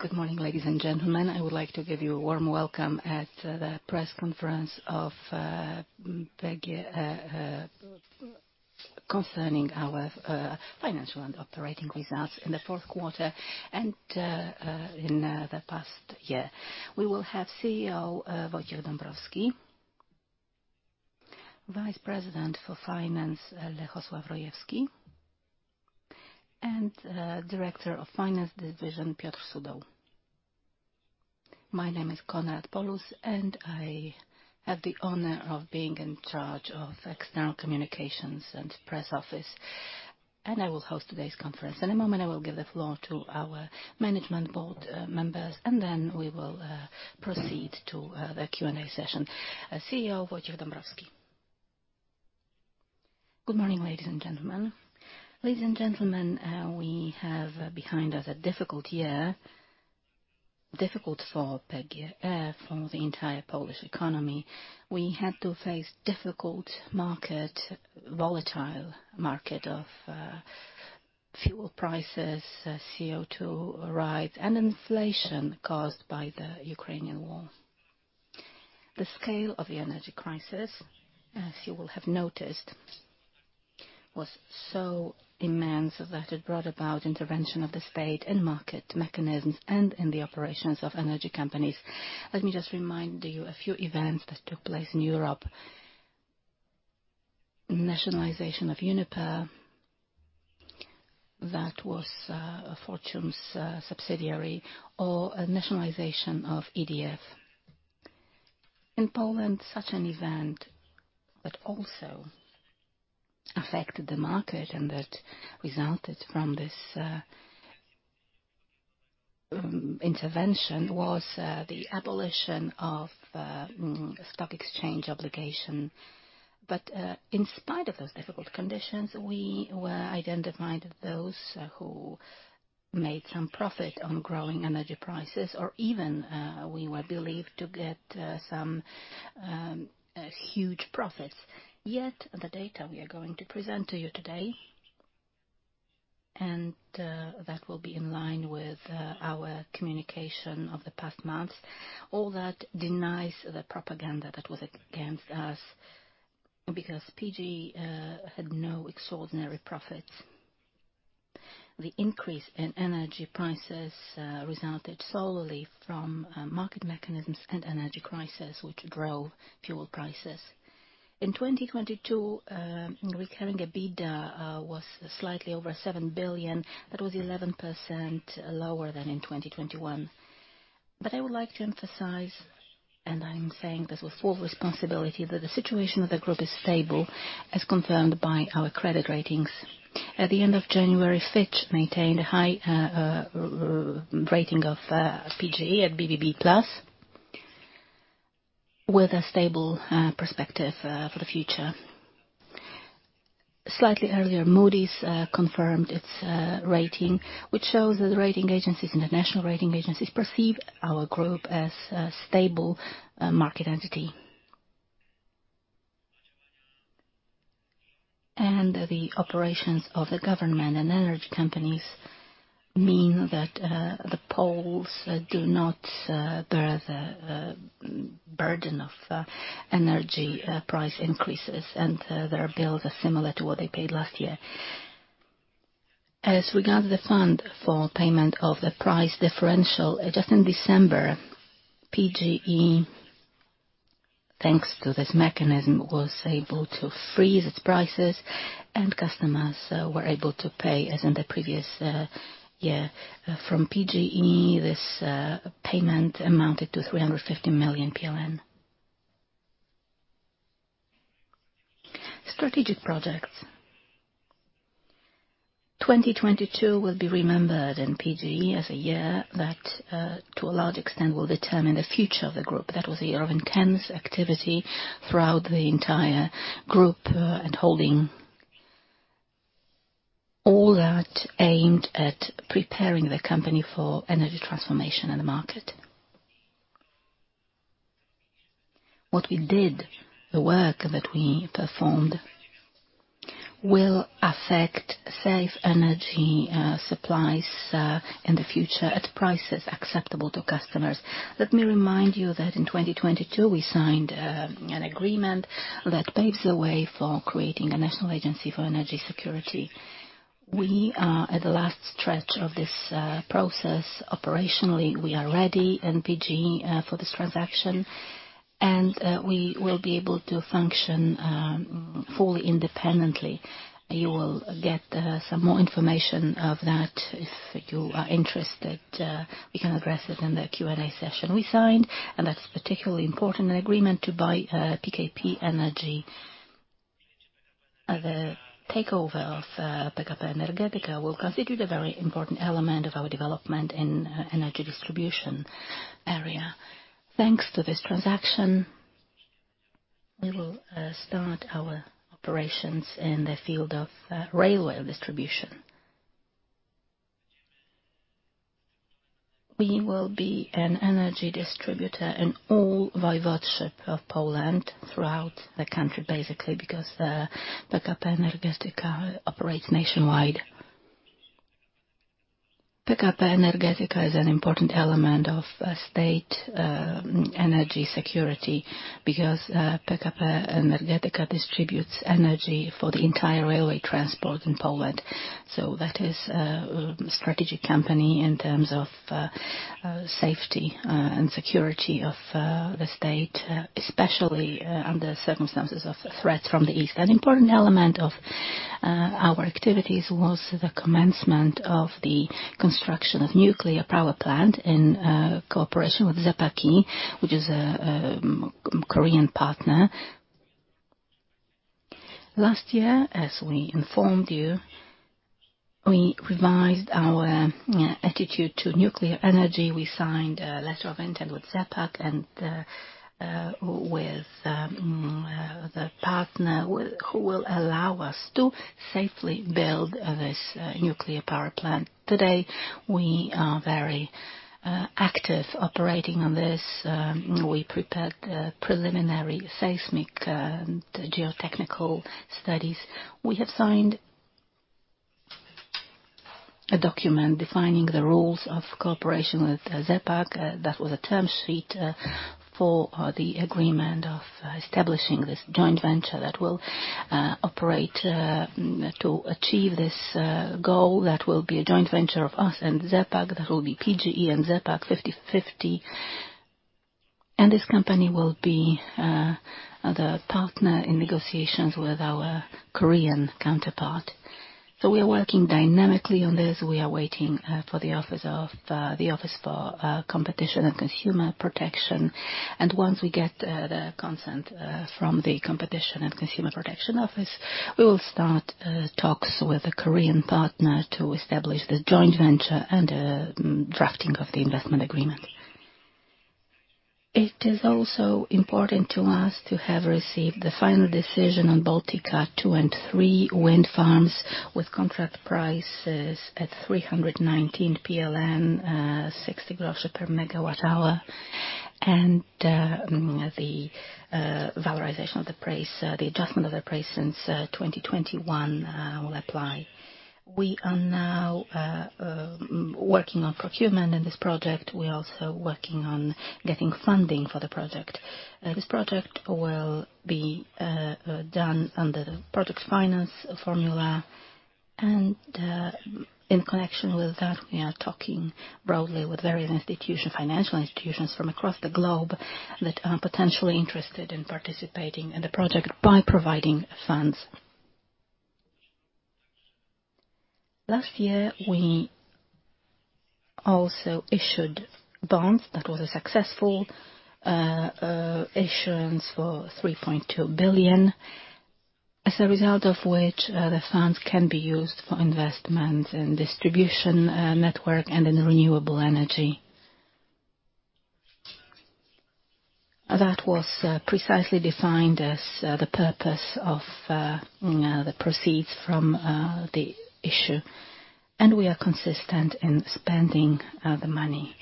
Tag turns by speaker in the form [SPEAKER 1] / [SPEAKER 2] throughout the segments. [SPEAKER 1] Good morning, ladies and gentlemen. I would like to give you a warm welcome at the press conference of PGE GiEK concerning our financial and operating results in the 4th quarter and in the past year. We will have CEO Wojciech Dąbrowski, Vice President for Finance, Paweł Strączyński, and Director of Finance Division, Piotr Sudol. My name is Konrad Mróz, and I have the honor of being in charge of external communications and press office, and I will host today's conference. In a moment, I will give the floor to our management board members, and then we will proceed to the Q&A session. CEO Wojciech Dąbrowski.
[SPEAKER 2] Good morning, ladies and gentlemen. Ladies and gentlemen, we have behind us a difficult year, difficult for PGE GiEK, for the entire Polish economy. We had to face difficult market, volatile market of fuel prices, CO₂, rights, and inflation caused by the Ukrainian war. The scale of the energy crisis, as you will have noticed, was so immense that it brought about intervention of the state and market mechanisms and in the operations of energy companies. Let me just remind you a few events that took place in Europe. Nationalization of Uniper, that was Fortum's subsidiary, or nationalization of EDF. In Poland, such an event that also affected the market and that resulted from this intervention was the abolition of exchange obligation. In spite of those difficult conditions, we were identified those who made some profit on growing energy prices or even we were believed to get some huge profits. The data we are going to present to you today, that will be in line with our communication of the past month, all that denies the propaganda that was against us because PGE had no extraordinary profits. The increase in energy prices resulted solely from market mechanisms and energy crisis, which grow fuel prices. In 2022, recurring EBITDA was slightly over 7 billion. That was 11% lower than in 2021. I would like to emphasize, and I'm saying this with full responsibility, that the situation of the group is stable, as confirmed by our credit ratings. At the end of January, Fitch maintained a high rating of PGE at BBB+ with a stable perspective for the future. Slightly earlier, Moody's confirmed its rating, which shows that the rating agencies, international rating agencies, perceive our group as a stable market entity. The operations of the government and energy companies mean that the Poles do not bear the burden of energy price increases, and their bills are similar to what they paid last year. As regards the Price Difference Payment Fund, just in December, PGE, thanks to this mechanism, was able to freeze its prices and customers were able to pay as in the previous year. From PGE, this payment amounted to PLN 350 million. Strategic projects. 2022 will be remembered in PGE as a year that to a large extent, will determine the future of the group. That was a year of intense activity throughout the entire group and holding all that aimed at preparing the company for energy transformation in the market. What we did, the work that we performed, will affect safe energy supplies in the future at prices acceptable to customers. Let me remind you that in 2022, we signed an agreement that paves the way for creating a National Energy Security Agency. We are at the last stretch of this process. Operationally, we are ready in PGE for this transaction, and we will be able to function fully independently. You will get some more information of that if you are interested. We can address it in the Q&A session we signed, and that's particularly important, the agreement to buy PKP Energetyka. The takeover of PKP Energetyka will constitute a very important element of our development in energy distribution area. Thanks to this transaction, we will start our operations in the field of railway distribution. We will be an energy distributor in all voivodeships of Poland throughout the country, basically, because PKP Energetyka operates nationwide. PKP Energetyka is an important element of state energy security because PKP Energetyka distributes energy for the entire railway transport in Poland. That is a strategic company in terms of safety and security of the state, especially under circumstances of threats from the east. An important element of our activities was the commencement of the construction of nuclear power plant in cooperation with ZE PAK, which is a Korean partner. Last year, as we informed you, we revised our attitude to nuclear energy. We signed a letter of intent with ZE PAK and with the partner who will allow us to safely build this nuclear power plant. Today, we are very active operating on this. We prepared preliminary seismic geotechnical studies. We have signed a document defining the rules of cooperation with ZE PAK. That was a term sheet for the agreement of establishing this joint venture that will operate to achieve this goal that will be a joint venture of us and ZE PAK, that will be PGE and ZE PAK, 50/50. This company will be the partner in negotiations with our Korean counterpart. We are working dynamically on this. We are waiting for the Office of Competition and Consumer Protection. Once we get the consent from the Office of Competition and Consumer Protection, we will start talks with the Korean partner to establish the joint venture and drafting of the investment agreement. It is also important to us to have received the final decision on Baltica 2 and 3 wind farms with contract prices at 319 PLN 60 groszy per MWh, and the valorization of the price, the adjustment of the price since 2021, will apply. We are now working on procurement in this project. We are also working on getting funding for the project. This project will be done under the project finance formula. In connection with that, we are talking broadly with various institutions, financial institutions from across the globe that are potentially interested in participating in the project by providing funds. Last year, we also issued bonds. That was a successful issuance for 3.2 billion, as a result of which, the funds can be used for investment in distribution network and in renewable energy. That was precisely defined as the purpose of the proceeds from the issue, and we are consistent in spending the money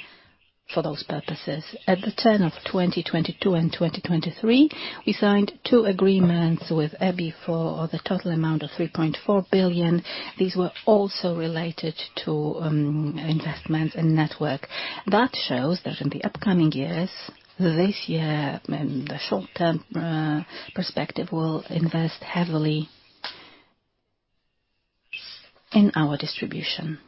[SPEAKER 2] for those purposes. At the turn of 2022 and 2023, we signed two agreements with EIB for the total amount of 3.4 billion. These were also related to investment in network. That shows that in the upcoming years, this year, in the short-term perspective, we'll invest heavily in our distribution.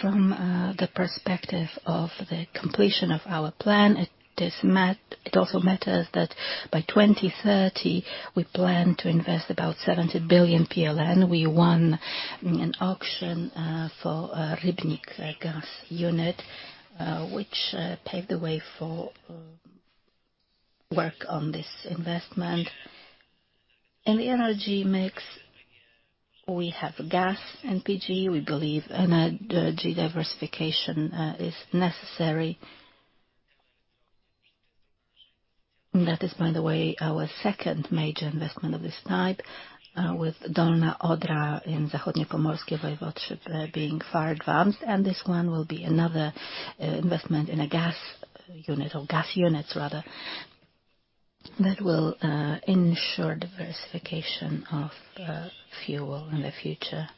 [SPEAKER 2] From the perspective of the completion of our plan, it also matters that by 2030 we plan to invest about 70 billion PLN. We won an auction for Rybnik gas unit, which paved the way for work on this investment. In the energy mix, we have gas and PGE. We believe energy diversification is necessary. That is, by the way, our second major investment of this type, with Dolna Odra in Zachodniopomorskie Voivodeship being far advanced, and this one will be another investment in a gas unit or gas units rather, that will ensure diversification of fuel in the future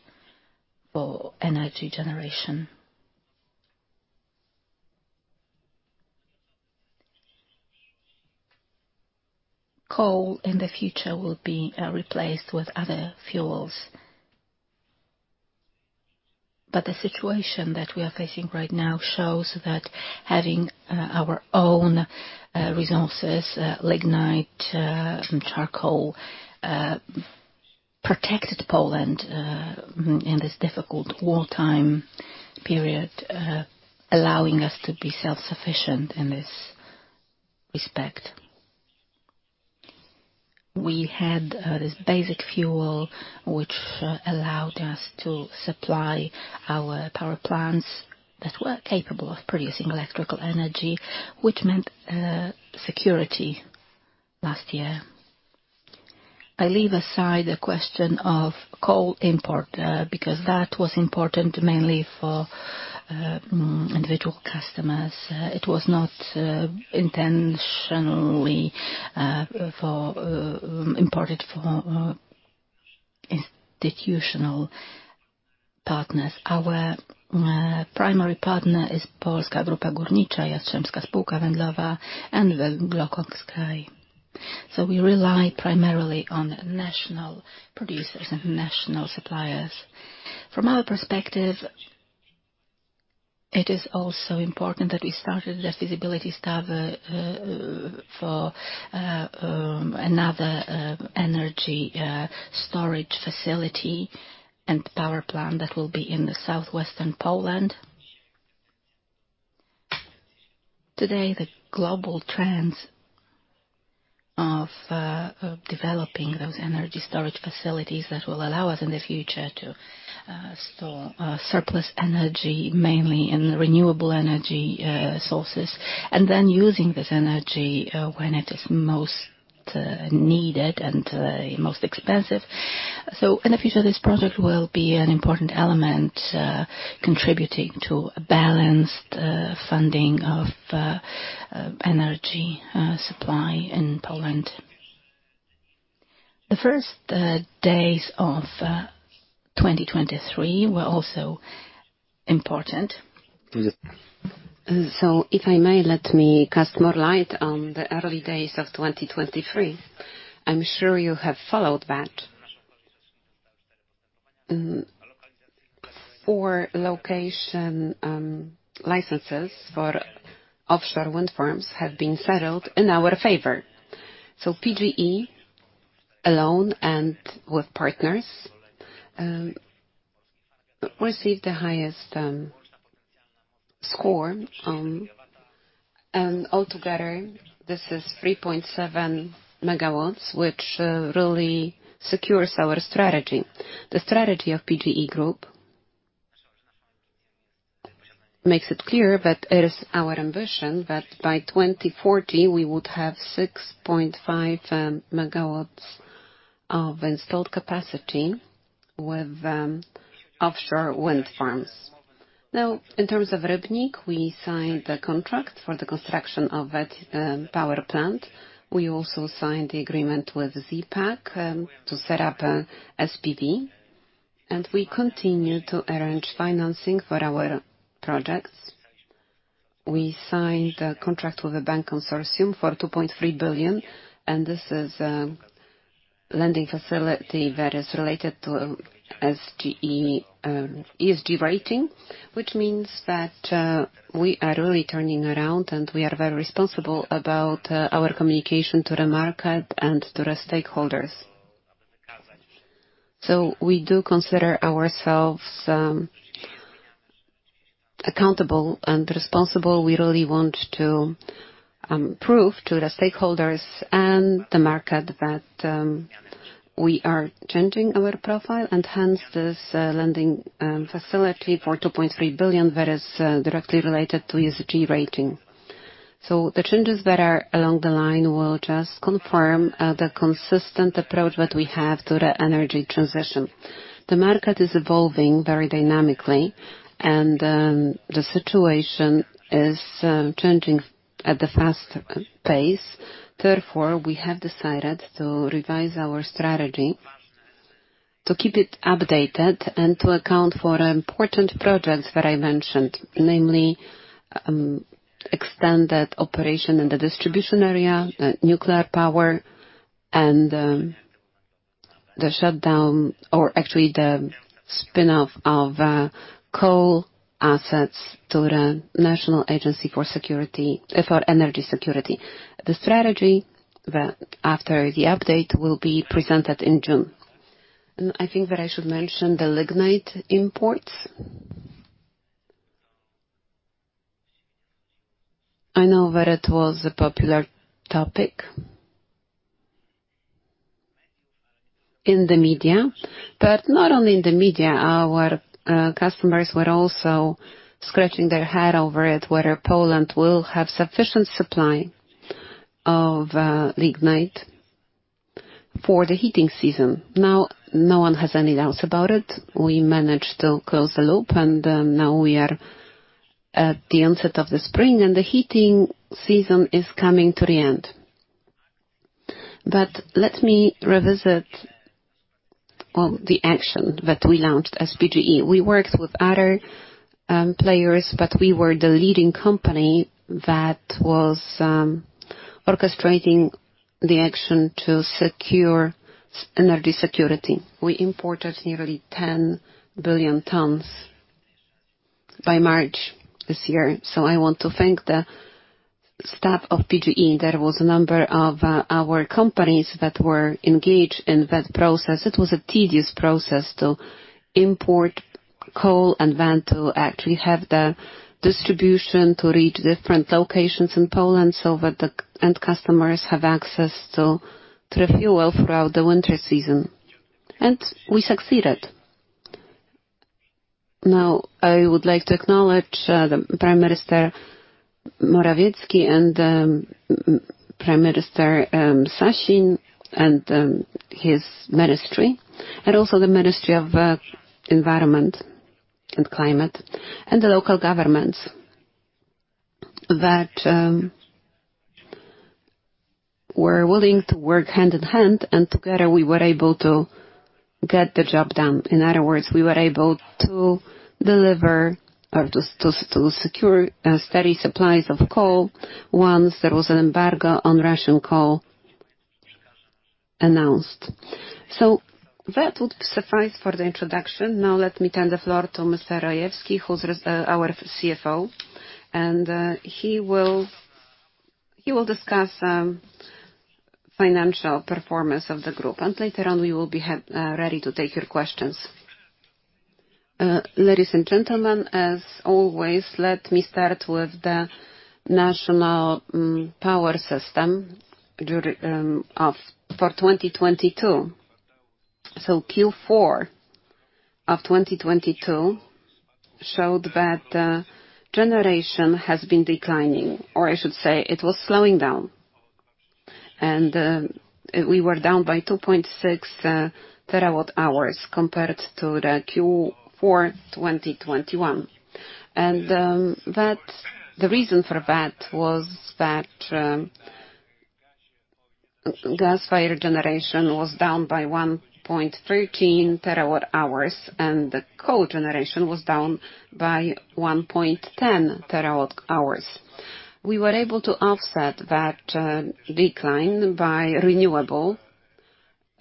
[SPEAKER 2] for energy generation. Coal in the future will be replaced with other fuels. The situation that we are facing right now shows that having our own resources, lignite, charcoal, protected Poland in this difficult wartime period, allowing us to be self-sufficient in this respect. We had this basic fuel, which allowed us to supply our power plants that were capable of producing electrical energy, which meant security last year. I leave aside the question of coal import, because that was important mainly for individual customers. It was not intentionally imported for. Institutional partners. Our primary partner is Polska Grupa Górnicza, Jastrzębska Spółka Węglowa, and Węglokoks. We rely primarily on national producers and national suppliers. From our perspective, it is also important that we started the feasibility study for another energy storage facility and power plant that will be in the southwestern Poland. Today, the global trends of developing those energy storage facilities that will allow us in the future to store surplus energy, mainly in renewable energy sources, and then using this energy when it is most needed and most expensive. In the future, this project will be an important element contributing to a balanced funding of energy supply in Poland. The first days of 2023 were also important. If I may, let me cast more light on the early days of 2023. I'm sure you have followed that. Four location licenses for offshore wind farms have been settled in our favor. PGE alone and with partners received the highest score, and all together, this is 3.7 MW, which really secures our strategy. The strategy of PGE Group makes it clear that it is our ambition that by 2040 we would have 6.5 MW of installed capacity with offshore wind farms. In terms of Rybnik, we signed the contract for the construction of that power plant. We also signed the agreement with ZE PAK to set up a SPV, and we continue to arrange financing for our projects. We signed a contract with a bank consortium for 2.3 billion, and this is a lending facility that is related to ESG rating, which means that we are really turning around, and we are very responsible about our communication to the market and to the stakeholders. We do consider ourselves accountable and responsible. We really want to prove to the stakeholders and the market that we are changing our profile and hence this lending facility for 2.3 billion that is directly related to ESG rating. The changes that are along the line will just confirm the consistent approach that we have to the energy transition. The market is evolving very dynamically, and the situation is changing at a fast pace. We have decided to revise our strategy to keep it updated and to account for important projects that I mentioned, namely, expanded operation in the distribution area, nuclear power, and the shutdown or actually the spin-off of coal assets to the National Energy Security Agency. The strategy that after the update will be presented in June. I think that I should mention the lignite imports. I know that it was a popular topic in the media, but not only in the media. Our customers were also scratching their head over it, whether Poland will have sufficient supply of lignite for the heating season. Now, no one has any doubts about it. We managed to close the loop and now we are at the onset of the spring, and the heating season is coming to the end. Let me revisit, well, the action that we launched as PGE. We worked with other players, but we were the leading company that was orchestrating the action to secure energy security. We imported nearly 10 billion tons by March this year. I want to thank the staff of PGE. There was a number of our companies that were engaged in that process. It was a tedious process to import coal and then to actually have the distribution to reach different locations in Poland so that the end customers have access to the fuel throughout the winter season. We succeeded. Now, I would like to acknowledge the Prime Minister Morawiecki and Prime Minister Sasin and his ministry, and also the Ministry of Climate and Environment and the local governments that we're willing to work hand in hand, and together we were able to get the job done. In other words, we were able to deliver or to secure steady supplies of coal once there was an embargo on Russian coal announced. That would suffice for the introduction. Now let me turn the floor to Mr. Strączyński, who's our CFO, and he will discuss financial performance of the group, and later on, we will be ready to take your questions.
[SPEAKER 3] Ladies and gentlemen, as always, let me start with the national power system for 2022. Q4 of 2022 showed that generation has been declining, or I should say it was slowing down. We were down by 2.6 terawatt-hours compared to the Q4 2021. The reason for that was that gas-fired generation was down by 1.13 terawatt-hours, and the coal generation was down by 1.10 terawatt-hours. We were able to offset that decline by renewable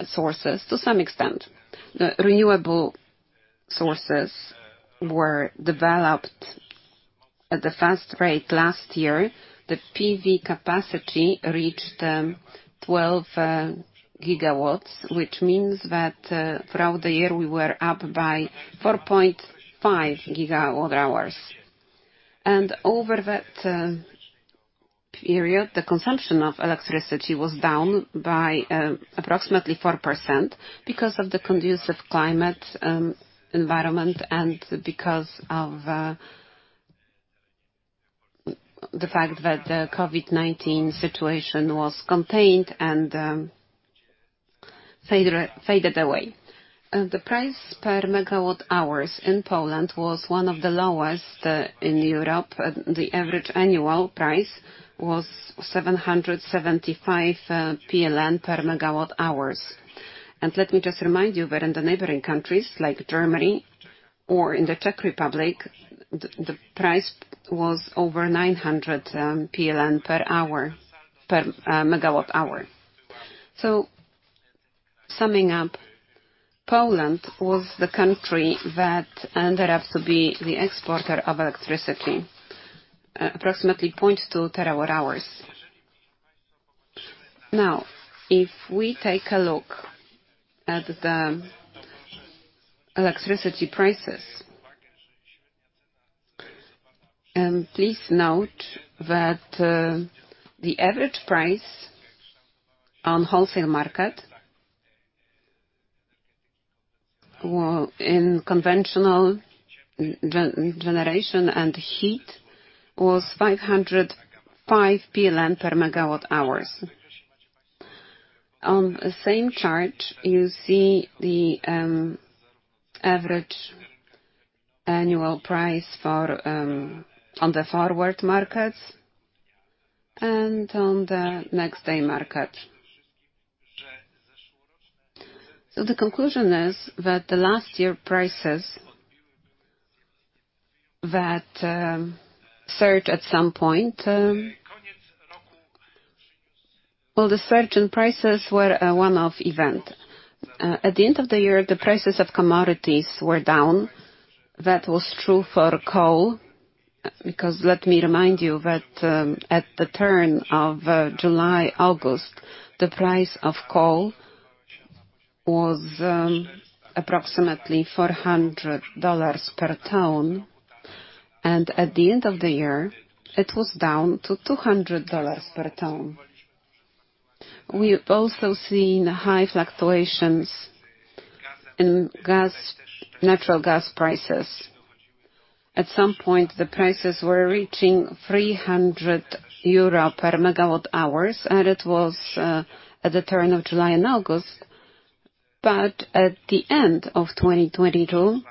[SPEAKER 3] sources to some extent. The renewable sources were developed at the fast rate last year. The PV capacity reached 12 GW, which means that throughout the year, we were up by 4.5 GWh. Over that period, the consumption of electricity was down by approximately 4% because of the conducive climate environment and because of the fact that the COVID-19 situation was contained and faded away. The price per MWh in Poland was one of the lowest in Europe. The average annual price was 775 PLN per MWh. Let me just remind you that in the neighboring countries, like Germany or in the Czech Republic, the price was over 900 PLN per megawatt-hour. Summing up, Poland was the country that ended up to be the exporter of electricity, approximately 0.2 terawatt-hours. If we take a look at the electricity prices, and please note that the average price on wholesale market were in conventional generation and heat was 505 PLN per MWh. On the same chart, you see the average annual price for on the forward markets and on the next day market. The conclusion is that the last year prices that surged at some point, the surge in prices were a one-off event. At the end of the year, the prices of commodities were down. That was true for coal, because let me remind you that at the turn of July, August, the price of coal was approximately $400 per ton, and at the end of the year, it was down to $200 per ton. We've also seen high fluctuations in natural gas prices. At some point, the prices were reaching 300 euro per MWh, and it was at the turn of July and August. At the end of 2022,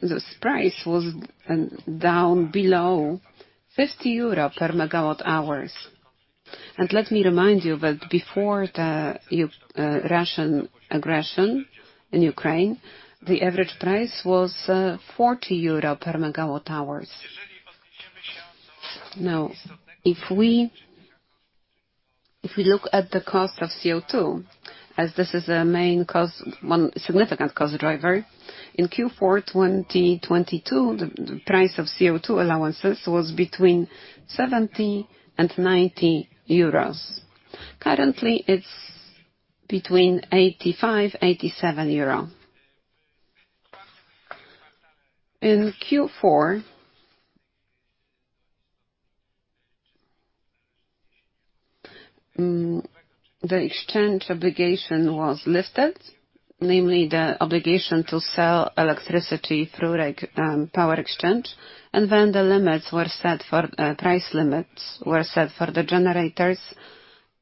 [SPEAKER 3] this price was down below 50 euro per MWh. Let me remind you that before the Russian aggression in Ukraine, the average price was 40 euro per MWh. If we look at the cost of CO₂, as this is a main cost, one significant cost driver, in Q4 2022, the price of CO₂ allowances was between 70 and 90 euros. Currently, it's between 85, 87 euros. In Q4, the exchange obligation was lifted, namely the obligation to sell electricity through power exchange, then price limits were set for the generators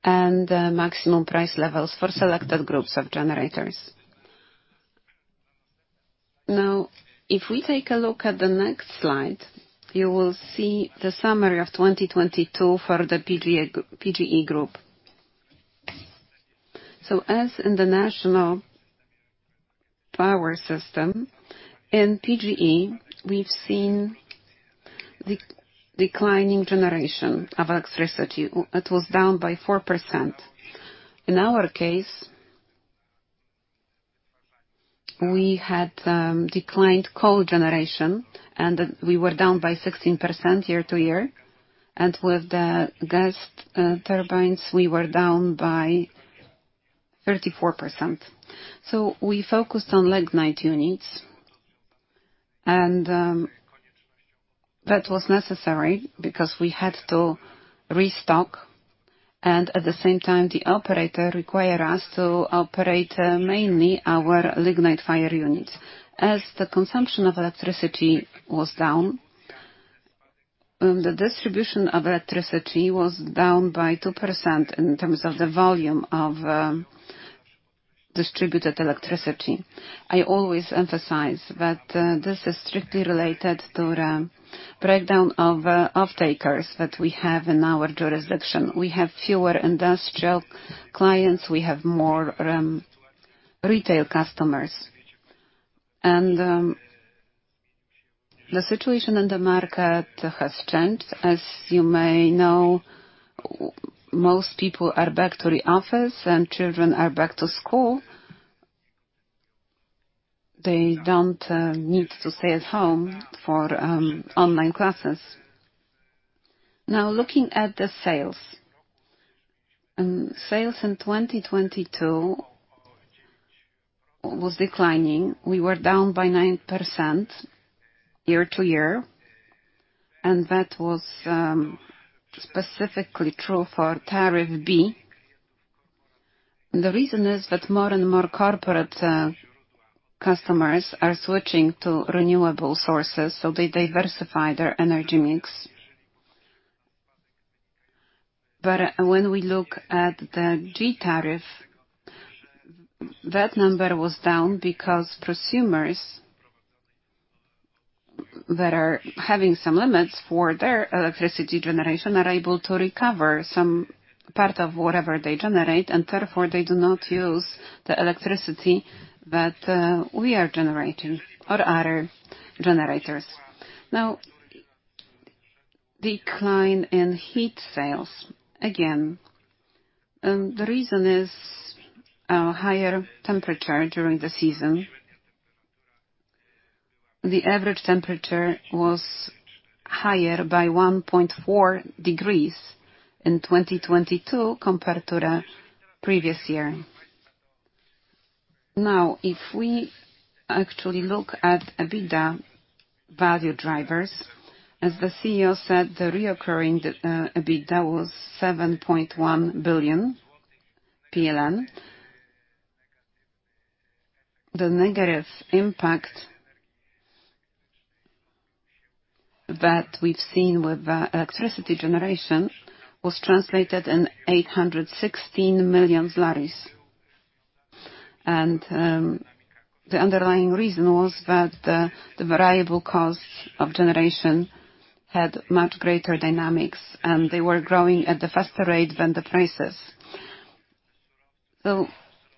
[SPEAKER 3] and maximum price levels for selected groups of generators. If we take a look at the next slide, you will see the summary of 2022 for the PGE Group. As in the national power system, in PGE, we've seen declining generation of electricity. It was down by 4%. In our case, we had declined coal generation, and we were down by 16% year-over-year. With the gas turbines, we were down by 34%. We focused on lignite units, and that was necessary because we had to restock, and at the same time, the operator required us to operate mainly our lignite fire units. As the consumption of electricity was down, the distribution of electricity was down by 2% in terms of the volume of distributed electricity. I always emphasize that this is strictly related to the breakdown of off-takers that we have in our jurisdiction. We have fewer industrial clients, we have more retail customers. The situation in the market has changed. As you may know, most people are back to the office and children are back to school. They don't need to stay at home for online classes. Now, looking at the sales. Sales in 2022 was declining. We were down by 9% year to year, that was specifically true for Tariff B. The reason is that more and more corporate customers are switching to renewable sources, so they diversify their energy mix. When we look at the G tariff, that number was down because prosumers that are having some limits for their electricity generation are able to recover some part of whatever they generate, and therefore, they do not use the electricity that we are generating or other generators. Decline in heat sales. Again, the reason is a higher temperature during the season. The average temperature was higher by 1.4 degrees in 2022 compared to the previous year. If we actually look at EBITDA value drivers, as the CEO said, the reoccurring EBITDA was PLN 7.1 billion. The negative impact that we've seen with the electricity generation was translated in PLN 816 million. The underlying reason was that the variable cost of generation had much greater dynamics, and they were growing at a faster rate than the prices.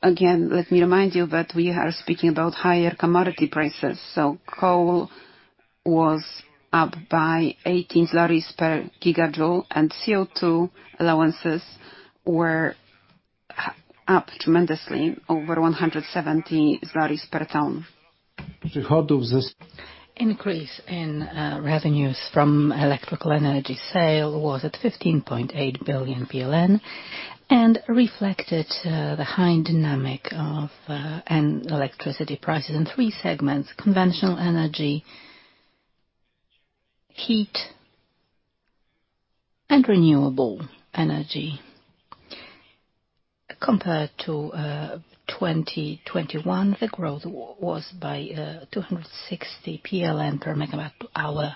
[SPEAKER 3] Again, let me remind you that we are speaking about higher commodity prices. Coal was up by 18 per gigajoule, and CO₂ allowances were up tremendously, over 170 per ton. Increase in revenues from electrical energy sale was at 15.8 billion PLN and reflected the high dynamic of electricity prices in three segments: conventional energy, heat, and renewable energy. Compared to 2021, the growth was by 260 PLN per MWh.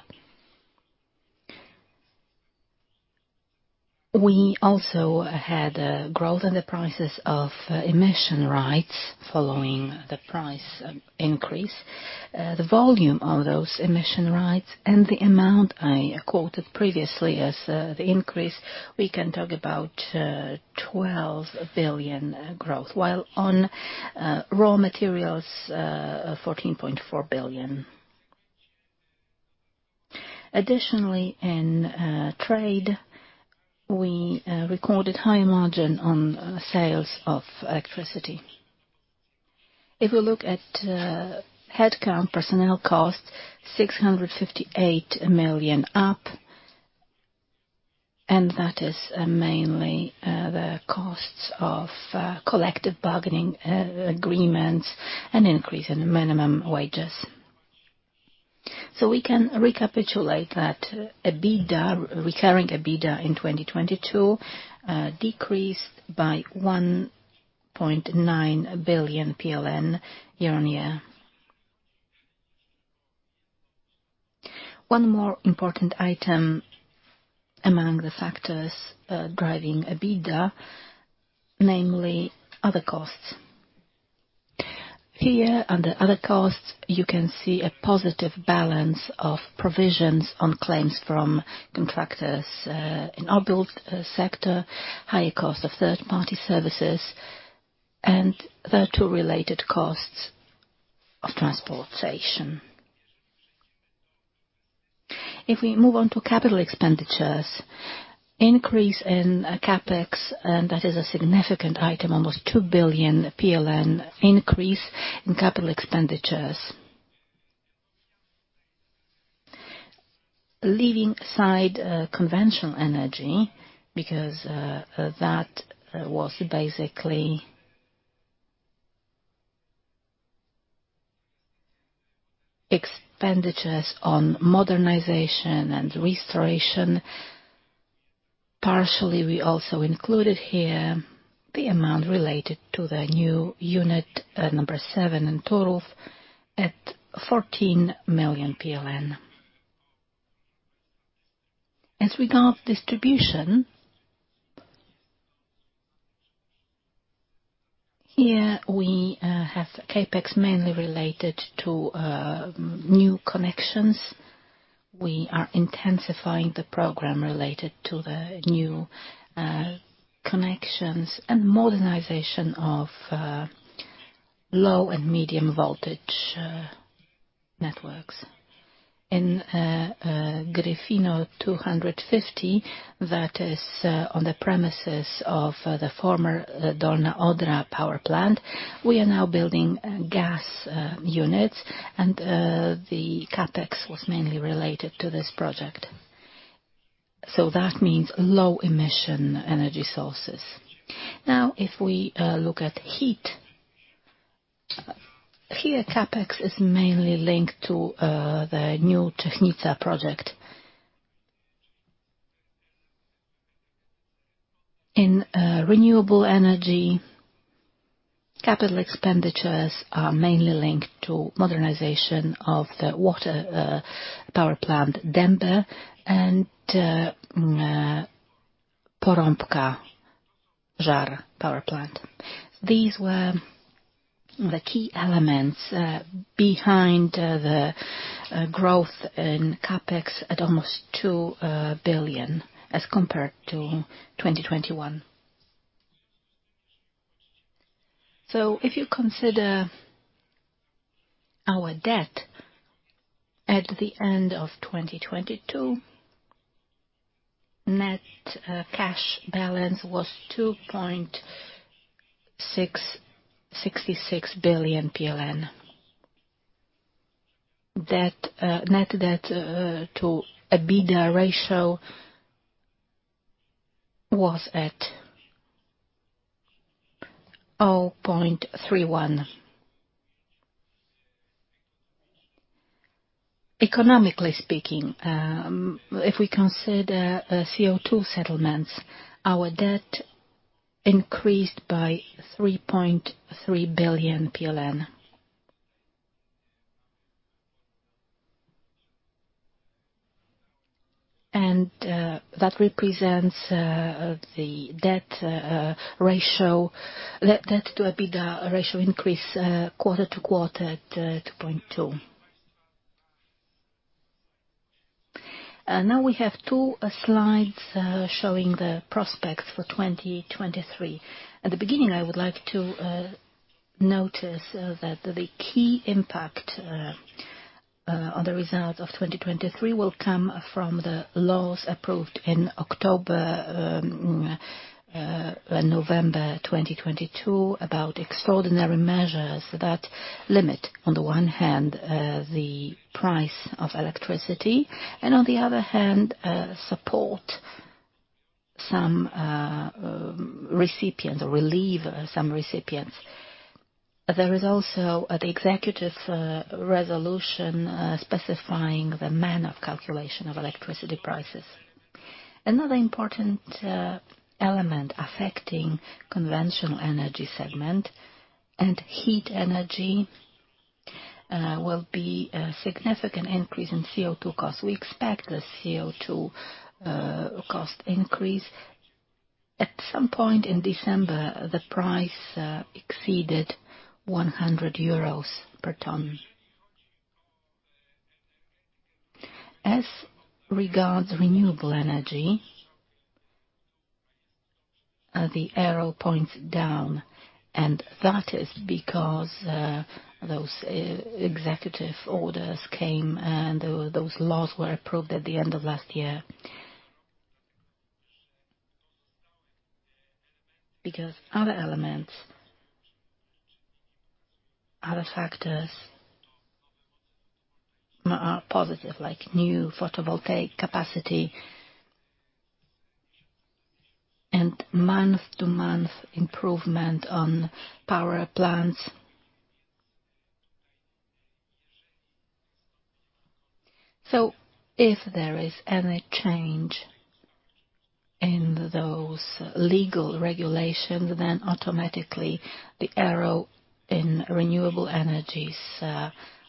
[SPEAKER 3] We also had a growth in the prices of emission rights following the price increase. The volume of those emission rights and the amount I quoted previously as the increase, we can talk about 12 billion growth, while on raw materials, 14.4 billion. Additionally, in trade, we recorded high margin on sales of electricity. If we look at headcount personnel cost, 658 million up, and that is mainly the costs of collective bargaining agreements and increase in minimum wages. We can recapitulate that EBITDA, recurring EBITDA in 2022, decreased by PLN 1.9 billion year-on-year. One more important item among the factors driving EBITDA, namely other costs. Here under other costs, you can see a positive balance of provisions on claims from contractors, in our build sector, higher cost of third-party services and the two related costs of transportation. If we move on to capital expenditures, increase in CapEx, and that is a significant item, almost 2 billion PLN increase in capital expenditures. Leaving aside conventional energy because that was basically expenditures on modernization and restoration. Partially, we also included here the amount related to the new unit number seven in total at PLN 14 million. As regard distribution, here we have CapEx mainly related to new connections. We are intensifying the program related to the new connections and modernization of low and medium voltage networks. In Gryfino 250, that is, on the premises of the former Dolna Odra power plant, we are now building gas units, and the CapEx was mainly related to this project. That means low emission energy sources. Now, if we look at heat. Here CapEx is mainly linked to the new Technical project. In renewable energy, capital expenditures are mainly linked to modernization of the water power plant Dębe and Porąbka Żar power plant. These were the key elements behind the growth in CapEx at almost 2 billion as compared to 2021. If you consider our debt at the end of 2022, net cash balance was 2.666 billion PLN. Debt, net debt to EBITDA ratio was at 0.31. Economically speaking, if we consider CO₂ settlements, our debt increased by 3.3 billion PLN. That represents the debt ratio, net debt to EBITDA ratio increase quarter-over-quarter at 2.2. We have two slides showing the prospects for 2023. At the beginning, I would like to notice that the key impact on the results of 2023 will come from the laws approved in October, November 2022, about extraordinary measures that limit, on the one hand, the price of electricity and on the other hand, support some recipients or relieve some recipients. There is also the executive resolution specifying the manner of calculation of electricity prices. Another important element affecting conventional energy segment and heat energy will be a significant increase in CO₂ costs. We expect the CO₂ cost increase. At some point in December, the price exceeded EUR 100 per ton. As regards renewable energy, the arrow points down, and that is because those executive orders came and those laws were approved at the end of last year. Other elements, other factors are positive, like new photovoltaic capacity and month-to-month improvement on power plants. If there is any change In those legal regulations, automatically the arrow in renewable energies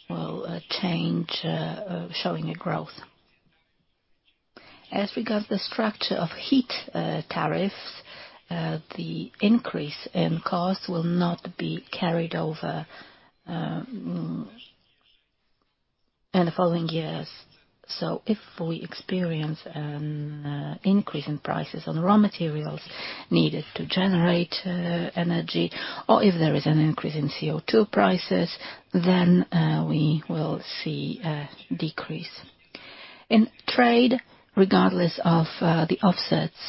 [SPEAKER 3] will change, showing a growth. As regards the structure of heat tariffs, the increase in costs will not be carried over in the following years. If we experience an increase in prices on raw materials needed to generate energy, or if there is an increase in CO₂ prices, we will see a decrease. In trade, regardless of the offsets.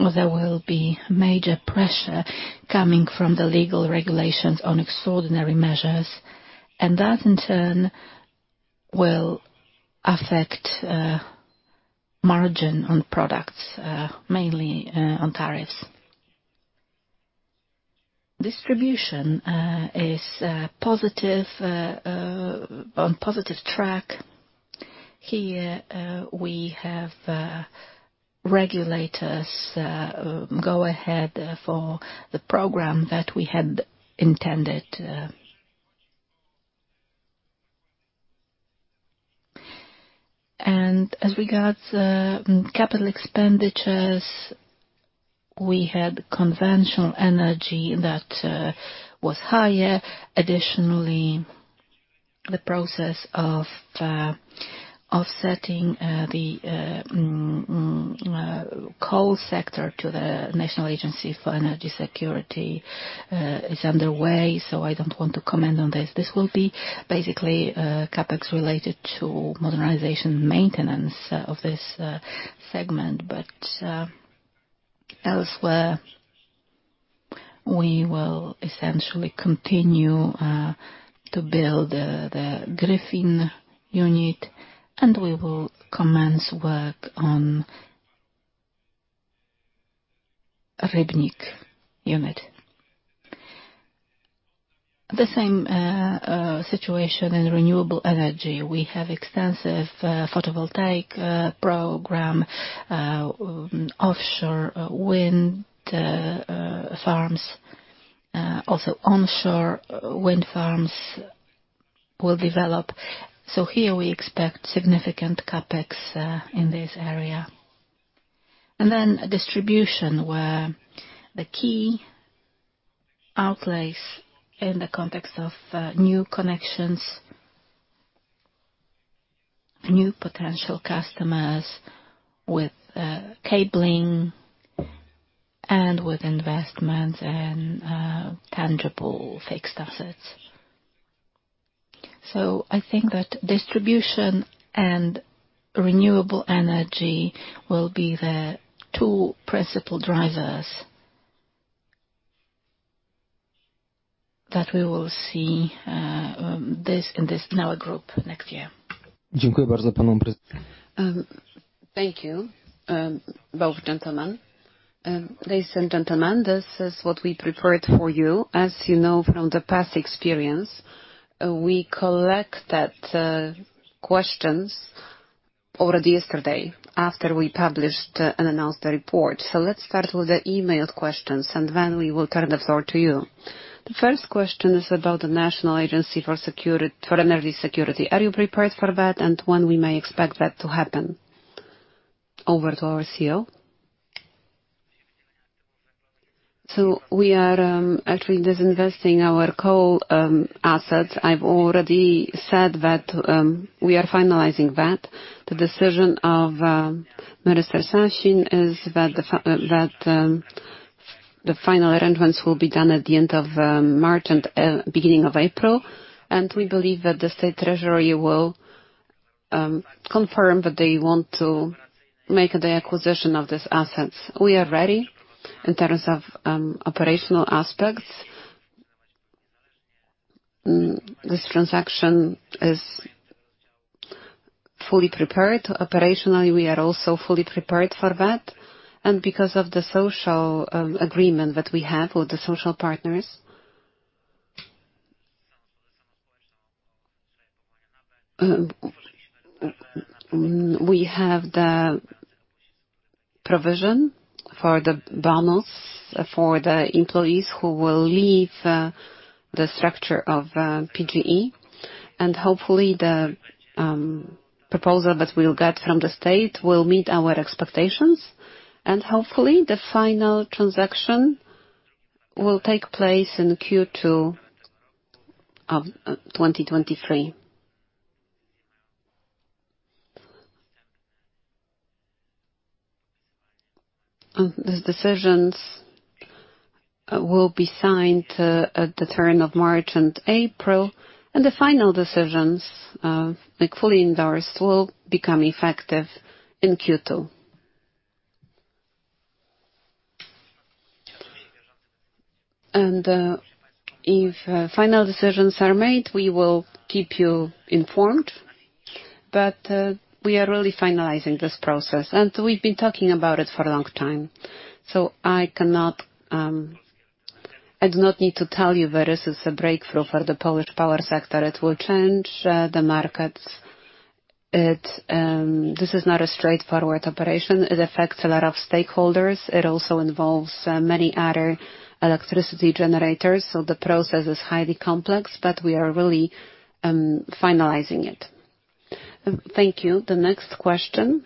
[SPEAKER 3] Well, there will be major pressure coming from the legal regulations on extraordinary measures, and that in turn will affect margin on products, mainly, on tariffs. Distribution is positive on positive track. Here, we have regulators go ahead for the program that we had intended to... As regards CapEx, we had conventional energy that was higher. Additionally, the process of offsetting the coal sector to the National Energy Security Agency is underway, so I don't want to comment on this. This will be basically CapEx related to modernization maintenance of this segment. Elsewhere, we will essentially continue to build the Gryfino unit, and we will commence work on Rybnik unit. The same situation in renewable energy. We have extensive photovoltaic program, offshore wind farms, also onshore wind farms will develop. Here we expect significant CapEx in this area. Distribution, where the key outlays in the context of new connections, new potential customers with cabling and with investments and tangible fixed assets. I think that distribution and renewable energy will be the two principal drivers that we will see in our group next year. Dziękuję bardzo, pani Bryksy.
[SPEAKER 1] Thank you, both gentlemen. Ladies and gentlemen, this is what we prepared for you. As you know from the past experience, we collected questions already yesterday after we published and announced the report. Let's start with the emailed questions, and then we will turn the floor to you. The first question is about the National Agency for Energy Security. Are you prepared for that, and when we may expect that to happen? Over to our CEO.
[SPEAKER 2] We are actually disinvesting our coal assets. I've already said that we are finalizing that. The decision of Minister Sasin is that the final arrangements will be done at the end of March and beginning of April. We believe that the State Treasury will confirm that they want to make the acquisition of these assets. We are ready in terms of operational aspects. This transaction is fully prepared. Operationally, we are also fully prepared for that. Because of the social agreement that we have with the social partners, we have the provision for the bonus for the employees who will leave the structure of PGE. Hopefully, the proposal that we'll get from the state will meet our expectations. Hopefully, the final transaction will take place in Q2 of 2023. These decisions will be signed at the turn of March and April, and the final decisions, like fully endorsed, will become effective in Q2. If final decisions are made, we will keep you informed. We are really finalizing this process, and we've been talking about it for a long time, so I do not need to tell you that this is a breakthrough for the Polish power sector. It will change the markets. This is not a straightforward operation. It affects a lot of stakeholders. It also involves many other electricity generators, so the process is highly complex, but we are really finalizing it.
[SPEAKER 1] Thank you. The next question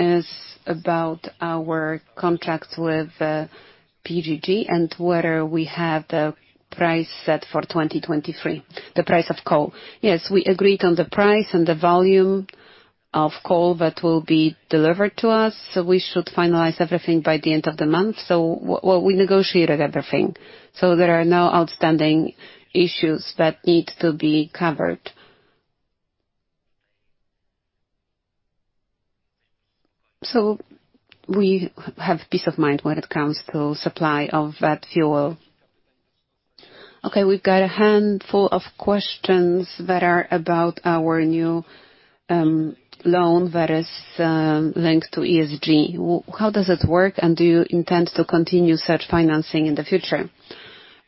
[SPEAKER 1] is about our contract with PGG and whether we have the price set for 2023, the price of coal. Yes.
[SPEAKER 2] We agreed on the price and the volume of coal that will be delivered to us, we should finalize everything by the end of the month. We negotiated everything, so there are no outstanding issues that need to be covered. We have peace of mind when it comes to supply of that fuel.
[SPEAKER 1] Okay, we've got a handful of questions that are about our new loan that is linked to ESG. How does it work, do you intend to continue such financing in the future?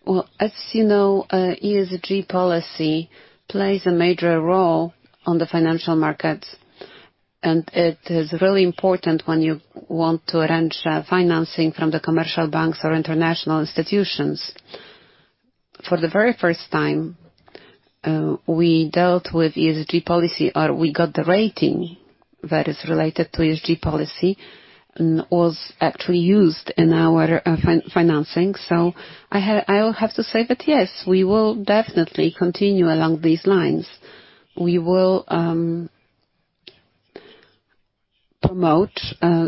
[SPEAKER 2] Well, as you know, ESG policy plays a major role on the financial markets, it is really important when you want to arrange financing from the commercial banks or international institutions. For the very first time, we dealt with ESG policy, or we got the rating that is related to ESG policy and was actually used in our financing. I will have to say that, yes, we will definitely continue along these lines. We will promote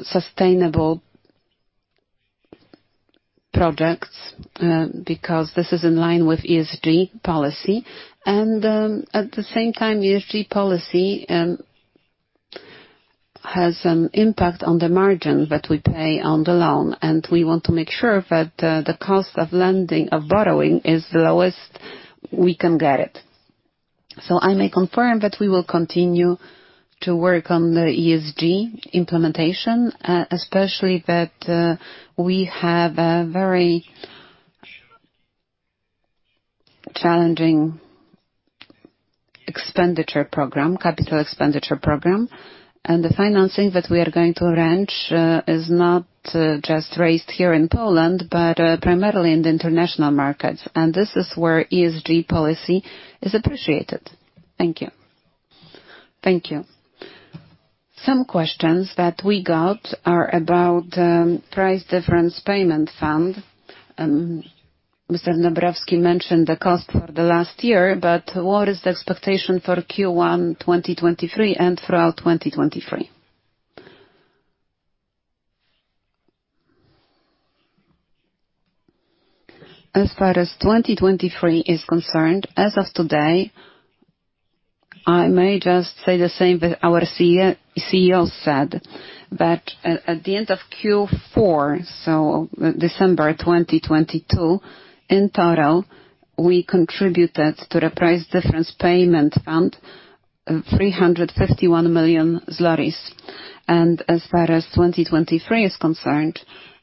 [SPEAKER 2] sustainable projects because this is in line with ESG policy. At the same time, ESG policy has an impact on the margin that we pay on the loan, and we want to make sure that the cost of lending, of borrowing is the lowest we can get it. I may confirm that we will continue to work on the ESG implementation, especially that we have a very challenging expenditure program, capital expenditure program, and the financing that we are going to arrange, is not just raised here in Poland, but primarily in the international markets, and this is where ESG policy is appreciated. Thank you.
[SPEAKER 1] Thank you. Some questions that we got are about Price Difference Payment Fund. Mr. Dąbrowski mentioned the cost for the last year, but what is the expectation for Q1 2023 and throughout 2023?
[SPEAKER 3] As far as 2023 is concerned, as of today, I may just say the same that our CEO said, that at the end of Q4, so December 2022, in total, we contributed to the Price Difference Payment Fund, 351 million zlotys. As far as 2023 is concerned,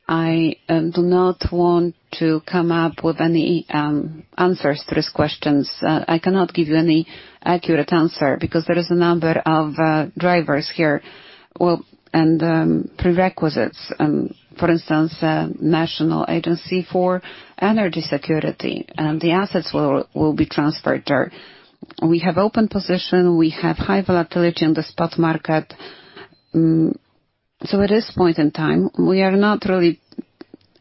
[SPEAKER 3] I do not want to come up with any answers to these questions. I cannot give you any accurate answer because there is a number of drivers here, well, and prerequisites, for instance, National Energy Security Agency. The assets will be transferred there. We have open position. We have high volatility in the spot market. At this point in time, we are not really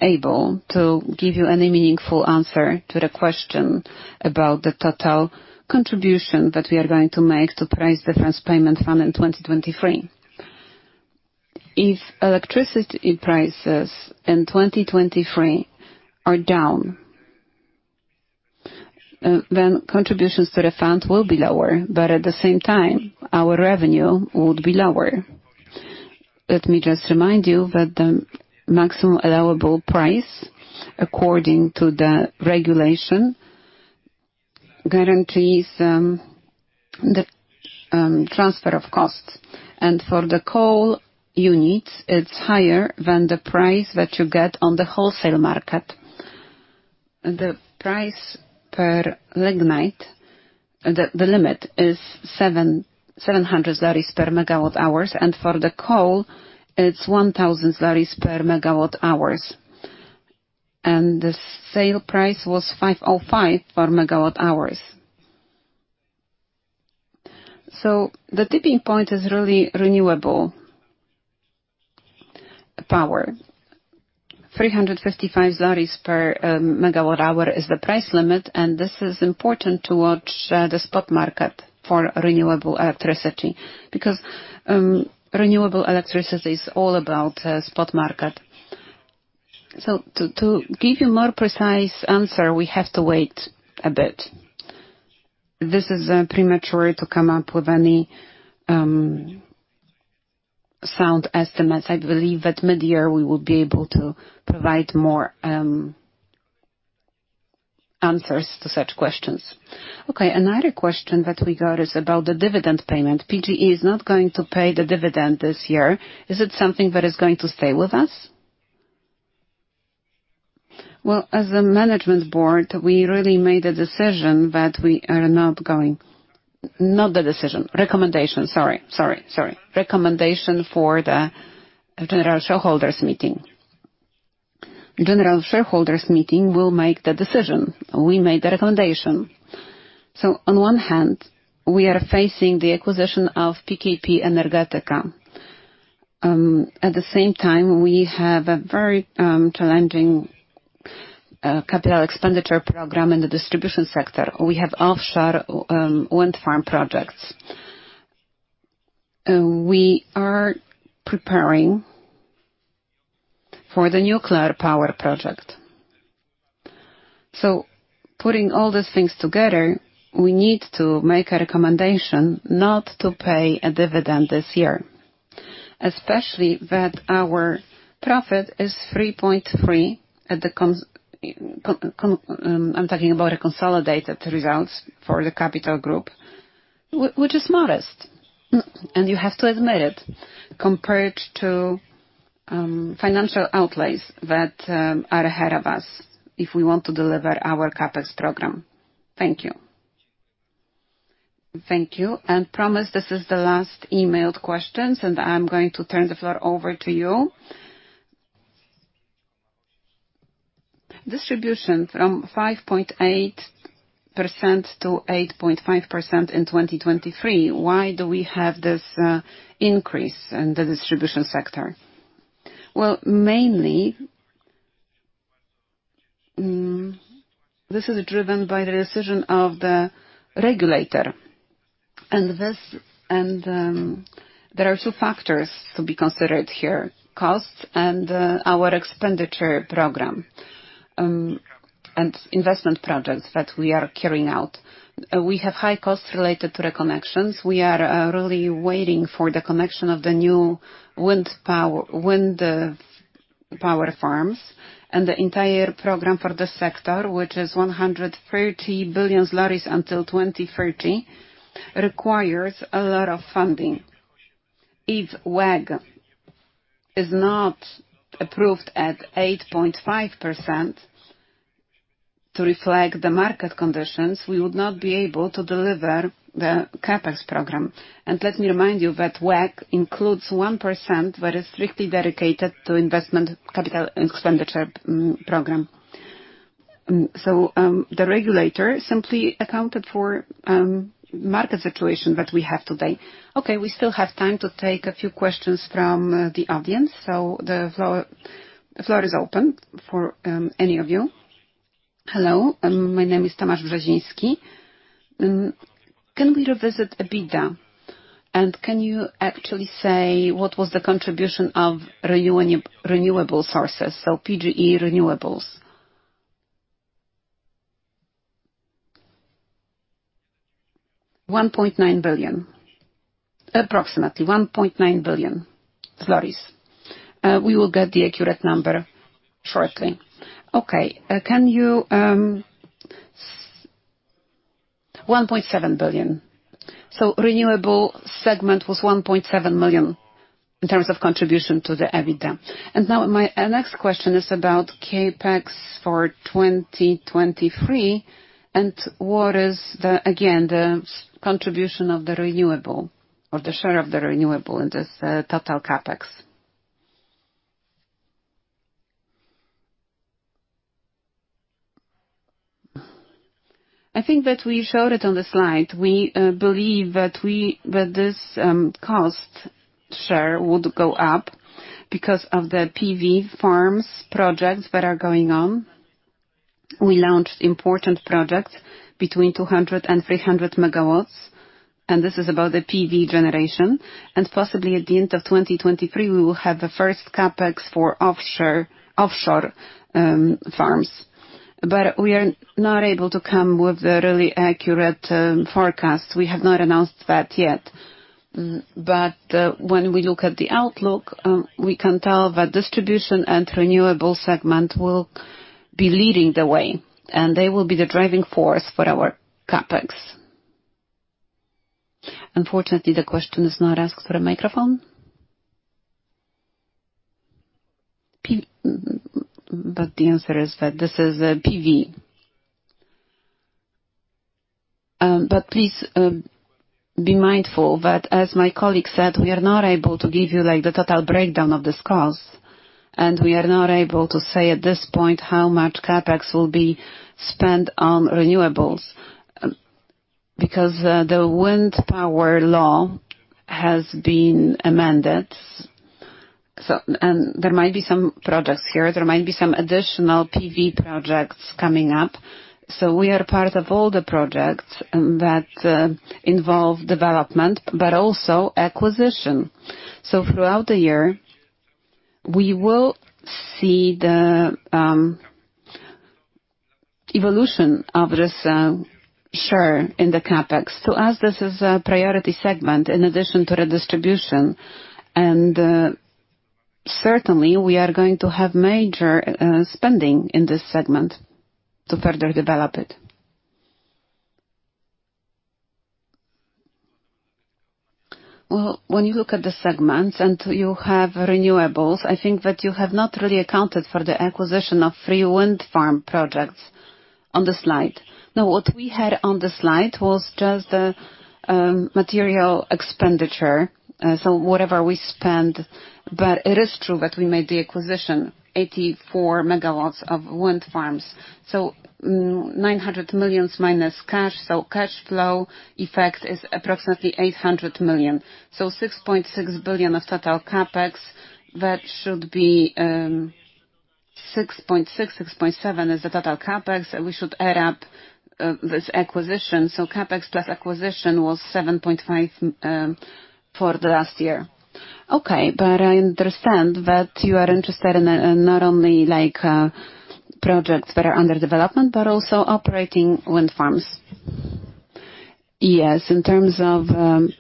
[SPEAKER 3] able to give you any meaningful answer to the question about the total contribution that we are going to make to Price Difference Payment Fund in 2023. If electricity prices in 2023 are down, then contributions to the fund will be lower, but at the same time, our revenue would be lower. Let me just remind you that the maximum allowable price, according to the regulation, guarantees the transfer of costs. For the coal units, it's higher than the price that you get on the wholesale market. The price per lignite, the limit is 700 per megawatt-hour, and for the coal, it's 1,000 per megawatt-hour. The sale price was 505 per megawatt-hour. The tipping point is really renewable power. 355 zlotys per megawatt-hour is the price limit, and this is important to watch the spot market for renewable electricity because renewable electricity is all about spot market. To give you more precise answer, we have to wait a bit. This is premature to come up with any sound estimates. I believe that midyear we will be able to provide more answers to such questions.
[SPEAKER 1] Okay. Another question that we got is about the dividend payment. PGE is not going to pay the dividend this year. Is it something that is going to stay with us?
[SPEAKER 3] Well, as a management board, we really made a decision that Not the decision, recommendation. Sorry. Recommendation for the general shareholders meeting. General shareholders meeting will make the decision. We made the recommendation. On one hand, we are facing the acquisition of PKP Energetyka. At the same time, we have a very challenging capital expenditure program in the distribution sector. We have offshore wind farm projects, and we are preparing for the nuclear power project. Putting all these things together, we need to make a recommendation not to pay a dividend this year. Especially that our profit is 3.3, I'm talking about the consolidated results for the capital group, which is modest, and you have to admit it, compared to financial outlays that are ahead of us if we want to deliver our CapEx program. Thank you.
[SPEAKER 1] Thank you. Promise this is the last emailed questions, and I'm going to turn the floor over to you. Distribution from 5.8% to 8.5% in 2023. Why do we have this increase in the distribution sector?
[SPEAKER 2] Well, mainly, this is driven by the decision of the regulator and there are two factors to be considered here, costs and our expenditure program and investment projects that we are carrying out. We have high costs related to the connections. We are really waiting for the connection of the new wind power farms and the entire program for this sector, which is 130 billion until 2030, requires a lot of funding. If WACC is not approved at 8.5% to reflect the market conditions, we would not be able to deliver the CapEx program. Let me remind you that WACC includes 1% that is strictly dedicated to investment capital expenditure program. The regulator simply accounted for market situation that we have today. Okay.
[SPEAKER 1] We still have time to take a few questions from the audience. The floor is open for any of you.
[SPEAKER 4] Hello. My name is Tomasz Brzeziński. Can we revisit EBITDA? Can you actually say what was the contribution of renewable sources or PGE renewables?
[SPEAKER 3] 1.9 billion. Approximately 1.9 billion. We will get the accurate number shortly. Okay. Can you 1.7 billion. Renewable segment was 1.7 million in terms of contribution to the EBITDA.
[SPEAKER 4] Now my next question is about CapEx for 2023, and what is the, again, the contribution of the renewable or the share of the renewable in this total CapEx?
[SPEAKER 3] I think that we showed it on the slide. We believe that this cost share would go up because of the PV farms projects that are going on. We launched important projects between 200 MW and 300 MW, and this is about the PV generation. Possibly at the end of 2023, we will have the first CapEx for offshore farms. We are not able to come with a really accurate forecast. We have not announced that yet. When we look at the outlook, we can tell that distribution and renewable segment will be leading the way, and they will be the driving force for our CapEx. Unfortunately, the question is not asked for a microphone. The answer is that this is PV.
[SPEAKER 2] Please, be mindful that, as my colleague said, we are not able to give you, like, the total breakdown of this cost, and we are not able to say at this point how much CapEx will be spent on renewables because the wind power law has been amended, so, and there might be some projects here. There might be some additional PV projects coming up. We are part of all the projects that involve development, but also acquisition. Throughout the year, we will see the evolution of this share in the CapEx. To us, this is a priority segment in addition to the distribution and Certainly, we are going to have major spending in this segment to further develop it. Well, when you look at the segments and you have renewables, I think that you have not really accounted for the acquisition of three wind farm projects on the slide. What we had on the slide was just the material expenditure, so whatever we spend. It is true that we made the acquisition, 84 MW of wind farms. 900 million minus cash. Cash flow effect is approximately 800 million. 6.6 billion of total CapEx, that should be 6.6 billion-6.7 billion is the total CapEx. We should add up this acquisition. CapEx plus acquisition was 7.5 billion for the last year.
[SPEAKER 4] Okay, I understand that you are interested in, not only like, projects that are under development but also operating wind farms.
[SPEAKER 2] Yes. In terms of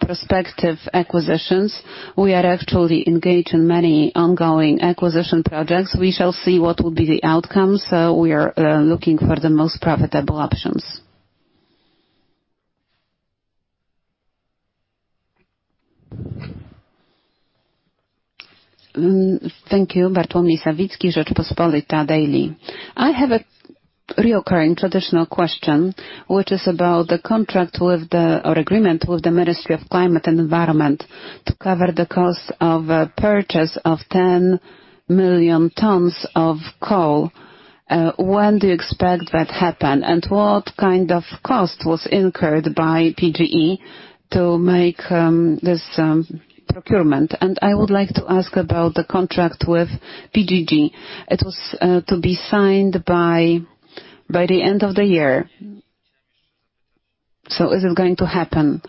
[SPEAKER 2] prospective acquisitions, we are actually engaged in many ongoing acquisition projects. We shall see what will be the outcome, so we are looking for the most profitable options.
[SPEAKER 4] Thank you.
[SPEAKER 5] Bartłomiej Sawicki, Rzeczpospolita Daily. I have a recurring traditional question, which is about the contract or agreement with the Ministry of Climate and Environment to cover the cost of purchase of 10 million tons of coal. When do you expect that happen, and what kind of cost was incurred by PGE to make this procurement? I would like to ask about the contract with PGG. It was to be signed by the end of the year. Is it going to happen?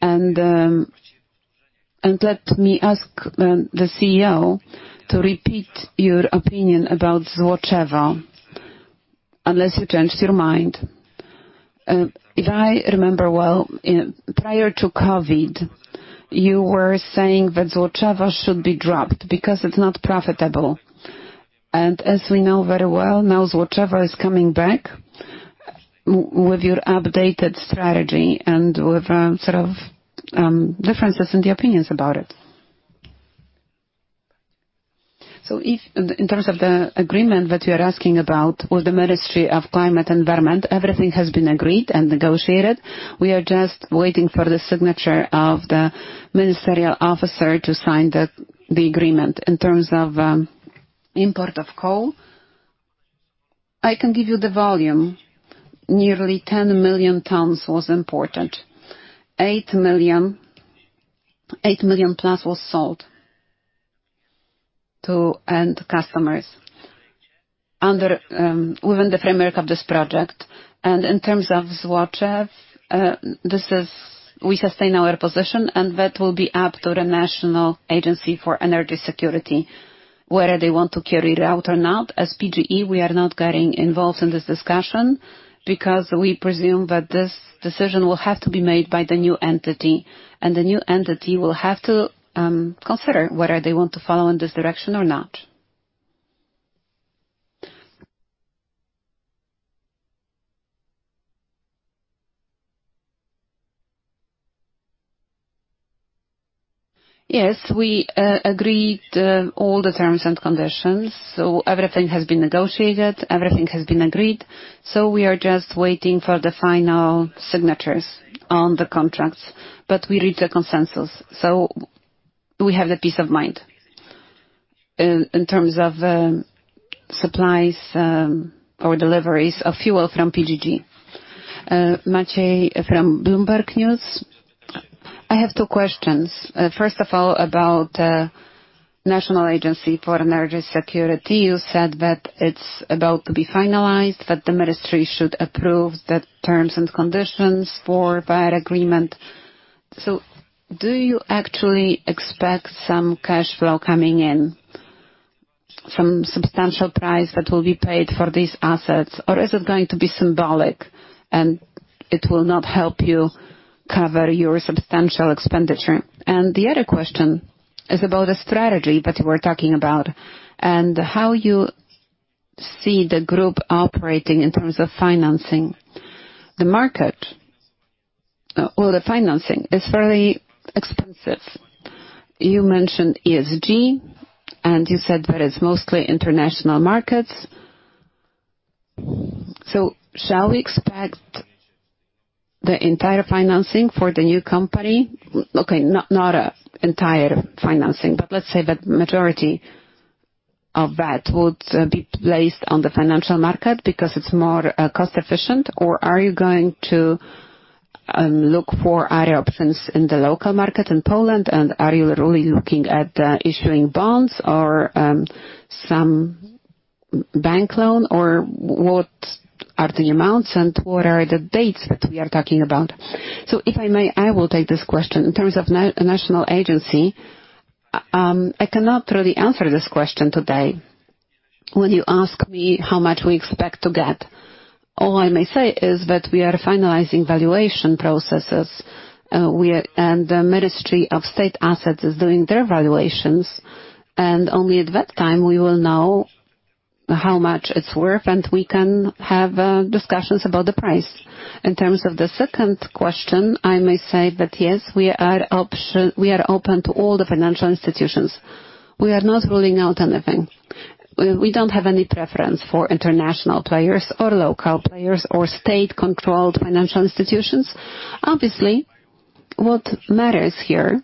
[SPEAKER 5] Let me ask the CEO to repeat your opinion about Złoczew, unless you changed your mind. If I remember well, prior to COVID, you were saying that Złoczew should be dropped because it's not profitable. As we know very well, now Złoczew is coming back with your updated strategy and with, sort of, differences in the opinions about it.
[SPEAKER 2] In terms of the agreement that you're asking about with the Ministry of Climate and Environment, everything has been agreed and negotiated. We are just waiting for the signature of the ministerial officer to sign the agreement. In terms of import of coal, I can give you the volume. Nearly 10 million tons was imported. 8 million plus was sold to end customers under within the framework of this project. In terms of Złoczew, this is we sustain our position, and that will be up to the National Energy Security Agency, whether they want to carry it out or not. As PGE, we are not getting involved in this discussion because we presume that this decision will have to be made by the new entity, and the new entity will have to consider whether they want to follow in this direction or not. We agreed all the terms and conditions, so everything has been negotiated, everything has been agreed. We are just waiting for the final signatures on the contracts. We reached a consensus, so we have the peace of mind in terms of supplies or deliveries of fuel from PGG.
[SPEAKER 6] Maciej from Bloomberg News. I have two questions. First of all, about National Agency for Energy Security. You said that it's about to be finalized, that the ministry should approve the terms and conditions for that agreement. Do you actually expect some cash flow coming in from substantial price that will be paid for these assets, or is it going to be symbolic and it will not help you cover your substantial expenditure? The other question is about the strategy that you were talking about and how you see the group operating in terms of financing. Well, the financing is very expensive. You mentioned ESG, and you said that it's mostly international markets. Shall we expect the entire financing for the new company? Okay, not entire financing, but let's say the majority of that would be placed on the financial market because it's more cost efficient. Are you going to look for other options in the local market in Poland? Are you really looking at issuing bonds or some bank loan, or what are the amounts and what are the dates that we are talking about?
[SPEAKER 3] If I may, I will take this question. In terms of national agency, I cannot really answer this question today. When you ask me how much we expect to get, all I may say is that we are finalizing valuation processes, and the Ministry of State Assets is doing their valuations, and only at that time we will know how much it's worth, and we can have discussions about the price. In terms of the second question, I may say that yes, we are open to all the financial institutions. We are not ruling out anything. We don't have any preference for international players or local players or state-controlled financial institutions. Obviously, what matters here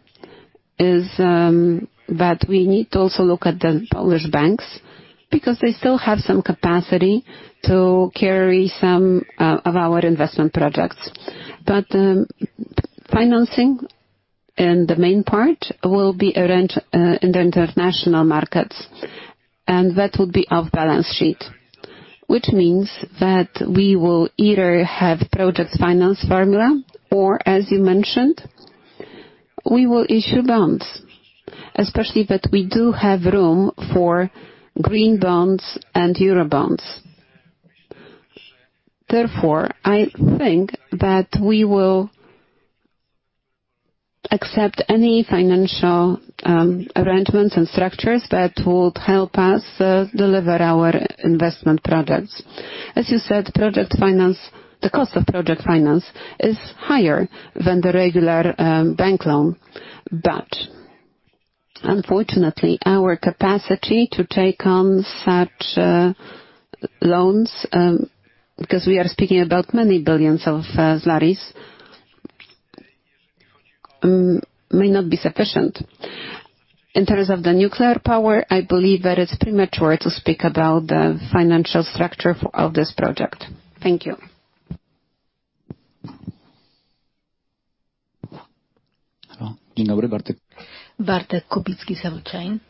[SPEAKER 3] is that we need to also look at the Polish banks, because they still have some capacity to carry some of our investment projects. Financing and the main part will be arranged in the international markets, and that would be off-balance-sheet. Which means that we will either have project finance formula or, as you mentioned, we will issue bonds, especially that we do have room for green bonds and Eurobonds. I think that we will accept any financial arrangements and structures that would help us deliver our investment projects. As you said, project finance, the cost of project finance is higher than the regular bank loan. Unfortunately, our capacity to take on such loans, because we are speaking about many billions of zlotys, may not be sufficient. In terms of the nuclear power, I believe that it's premature to speak about the financial structure of this project. Thank you.
[SPEAKER 7] Bartek Kubicki, Societe Generale.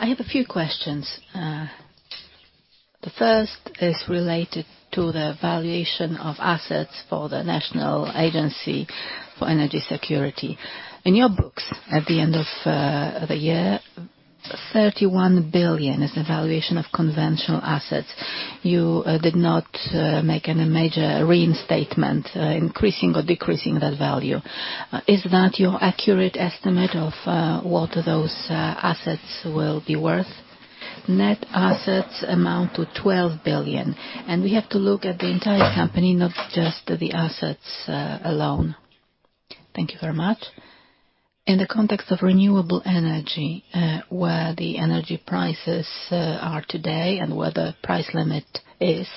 [SPEAKER 7] I have a few questions. The first is related to the valuation of assets for the National Energy Security Agency. In your books at the end of the year, 31 billion is the valuation of conventional assets. You did not make any major reinstatement, increasing or decreasing that value. Is that your accurate estimate of what those assets will be worth?
[SPEAKER 2] Net assets amount to 12 billion, and we have to look at the entire company, not just the assets, alone.
[SPEAKER 7] Thank you very much. In the context of renewable energy, where the energy prices are today and where the price limit is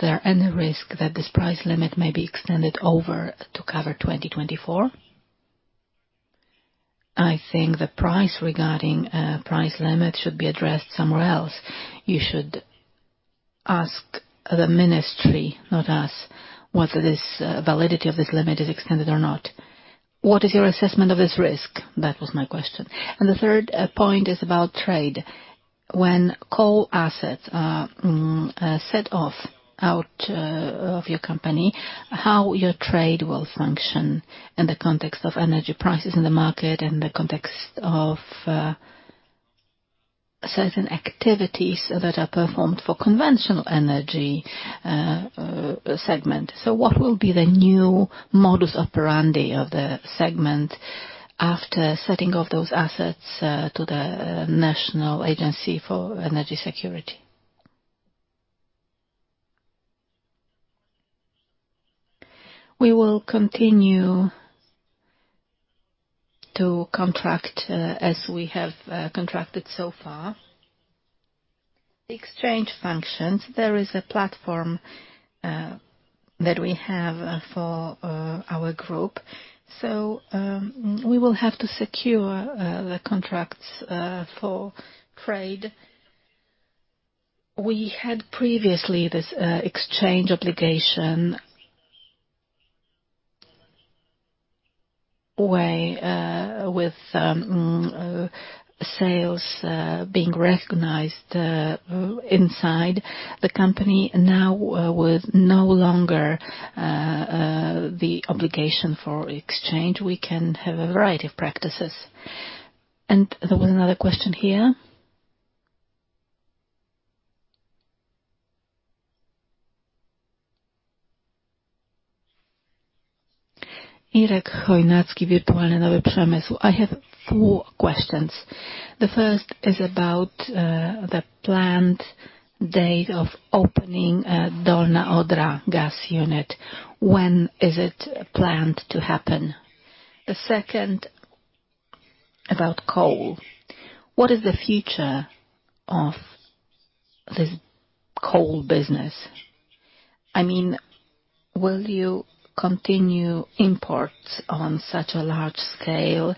[SPEAKER 7] there any risk that this price limit may be extended over to cover 2024?
[SPEAKER 2] I think the price regarding price limit should be addressed somewhere else. You should ask the ministry, not us, whether this validity of this limit is extended or not.
[SPEAKER 7] What is your assessment of this risk? That was my question. The third point is about trade. When coal assets are set off out of your company, how your trade will function in the context of energy prices in the market, in the context of certain activities that are performed for conventional energy segment. What will be the new modus operandi of the segment after setting off those assets to the National Energy Security Agency?
[SPEAKER 2] We will continue to contract as we have contracted so far. The exchange functions, there is a platform that we have for our group. We will have to secure the contracts for trade. We had previously this exchange obligation way with sales being recognized inside the company. Now with no longer the obligation for exchange, we can have a variety of practices. There was another question here.
[SPEAKER 8] Ireneusz Chojnacki, WNP.pl. I have four questions. The first is about the planned date of opening Dolna Odra gas unit. When is it planned to happen? The second about coal. What is the future of the coal business? I mean, will you continue imports on such a large scale?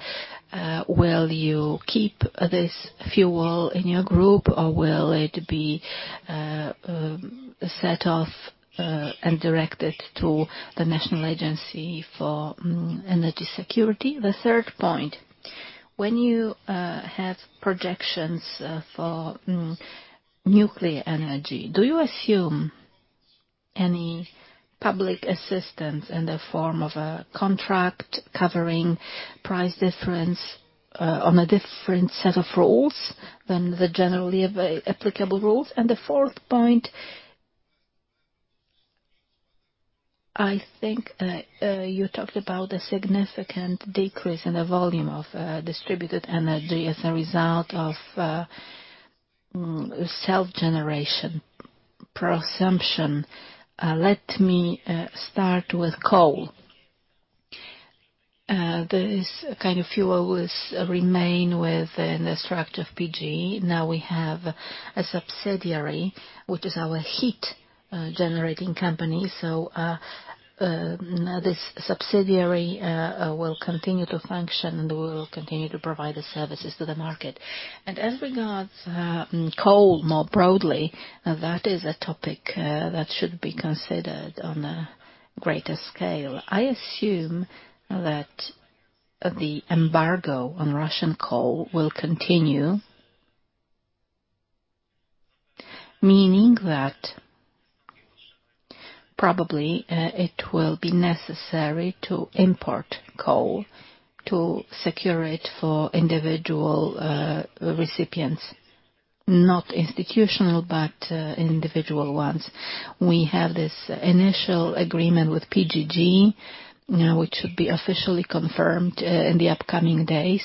[SPEAKER 8] Will you keep this fuel in your group, or will it be set off and directed to the National Energy Security Agency? The third point, when you have projections for nuclear energy, do you assume any public assistance in the form of a contract covering price difference on a different set of rules than the generally applicable rules. The fourth point, I think, you talked about the significant decrease in the volume of distributed energy as a result of self-generation prosumption.
[SPEAKER 2] Let me start with coal. There is a kind of fuel which remain within the structure of PGE. We have a subsidiary, which is our heat generating company. This subsidiary will continue to function, and we will continue to provide the services to the market. As regards coal more broadly, that is a topic that should be considered on a greater scale. I assume that the embargo on Russian coal will continue. Meaning that probably, it will be necessary to import coal to secure it for individual recipients, not institutional, but individual ones. We have this initial agreement with PGG now, which should be officially confirmed in the upcoming days.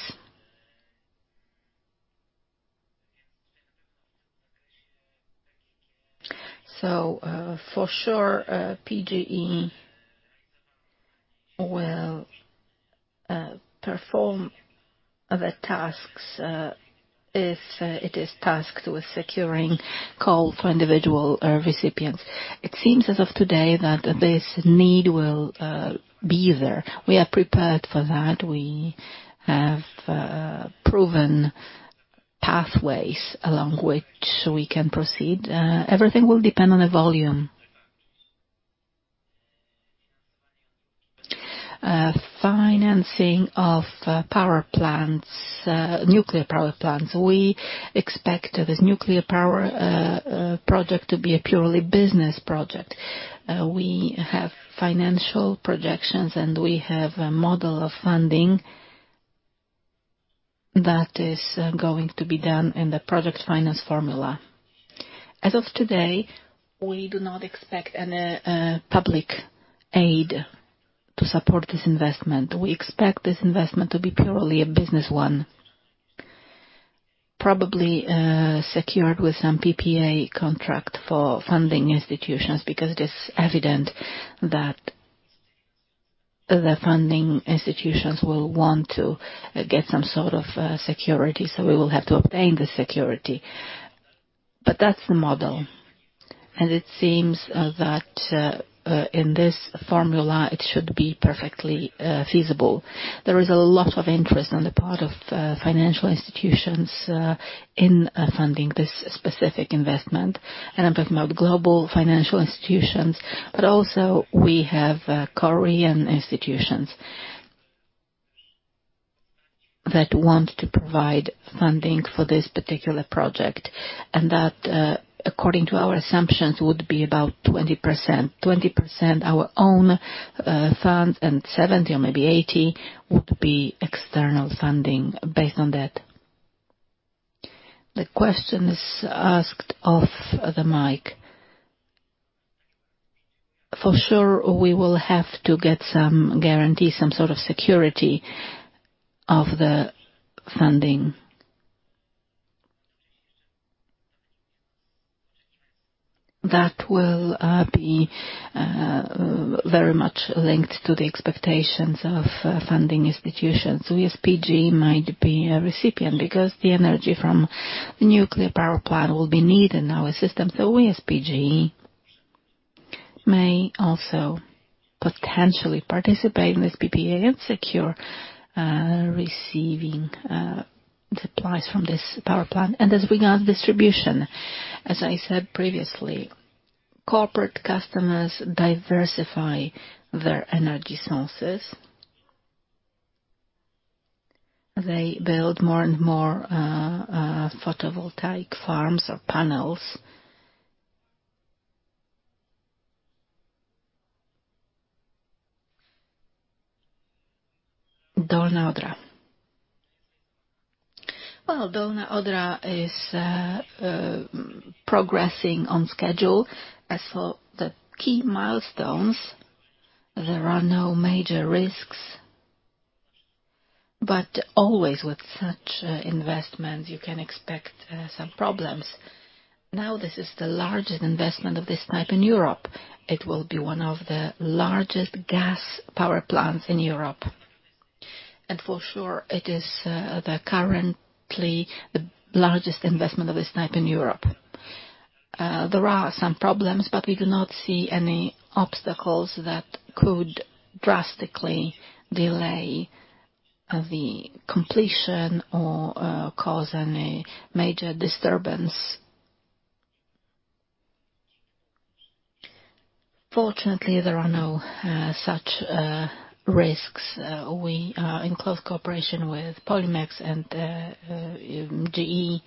[SPEAKER 2] For sure, PGE will perform the tasks if it is tasked with securing coal for individual recipients. It seems as of today that this need will be there. We are prepared for that. We have proven pathways along which we can proceed. Everything will depend on the volume. Financing of power plants, nuclear power plants. We expect this nuclear power project to be a purely business project. We have financial projections, and we have a model of funding that is going to be done in the project finance formula. As of today, we do not expect any public aid to support this investment. We expect this investment to be purely a business one, probably secured with some PPA contract for funding institutions, because it is evident that the funding institutions will want to get some sort of security, so we will have to obtain the security. That's the model, and it seems that in this formula, it should be perfectly feasible. There is a lot of interest on the part of financial institutions in funding this specific investment. I'm talking about global financial institutions, but also we have Korean institutions that want to provide funding for this particular project, and that according to our assumptions, would be about 20%. 20% our own funds, and 70% or maybe 80% would be external funding based on that. The question is asked off the mic. For sure, we will have to get some guarantee, some sort of security of the funding. That will be very much linked to the expectations of funding institutions. We as PGE, might be a recipient because the energy from the nuclear power plant will be needed in our system. We as PGE may also potentially participate in this PPA and secure receiving supplies from this power plant. As regard distribution, as I said previously, corporate customers diversify their energy sources. They build more and more photovoltaic farms or panels. Dolna Odra. Well, Dolna Odra is progressing on schedule. As for the key milestones, there are no major risks, but always with such investments, you can expect some problems. This is the largest investment of this type in Europe. It will be one of the largest gas power plants in Europe. For sure, it is the currently the largest investment of this type in Europe. There are some problems, but we do not see any obstacles that could drastically delay the completion or cause any major disturbance. Fortunately, there are no such risks. We are in close cooperation with Polimex and GE.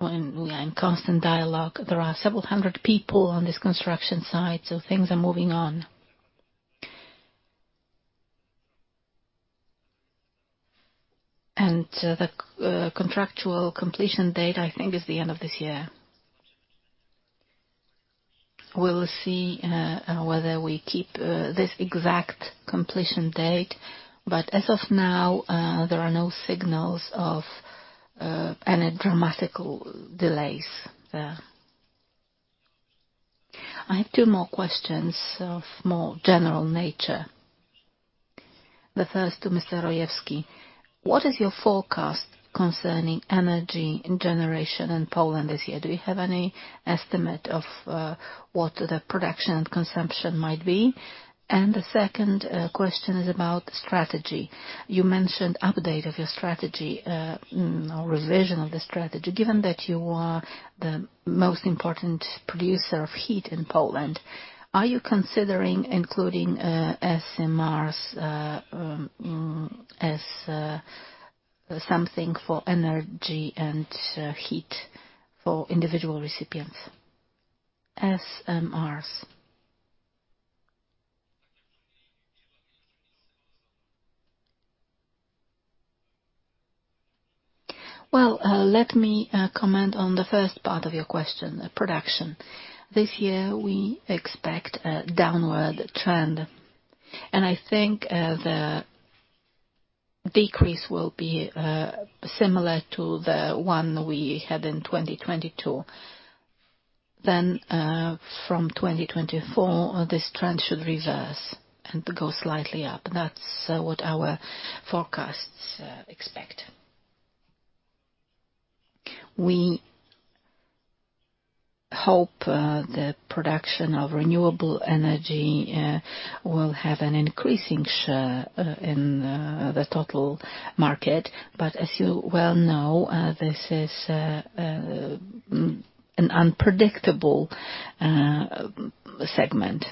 [SPEAKER 2] We are in constant dialogue. There are several hundred people on this construction site, so things are moving on. The contractual completion date, I think, is the end of this year. We'll see whether we keep this exact completion date, but as of now, there are no signals of any dramatical delays there.
[SPEAKER 8] I have two more questions of more general nature. The first to Mr. Strączyński. What is your forecast concerning energy generation in Poland this year? Do you have any estimate of what the production and consumption might be? The second question is about strategy. You mentioned update of your strategy or revision of the strategy. Given that you are the most important producer of heat in Poland, are you considering including SMRs as something for energy and heat for individual recipients?
[SPEAKER 3] SMRs. Well, let me comment on the first part of your question, production. This year we expect a downward trend, and I think the decrease will be similar to the one we had in 2022. From 2024, this trend should reverse and go slightly up. That's what our forecasts expect. We hope the production of renewable energy will have an increasing share in the total market. As you well know, this is an unpredictable segment.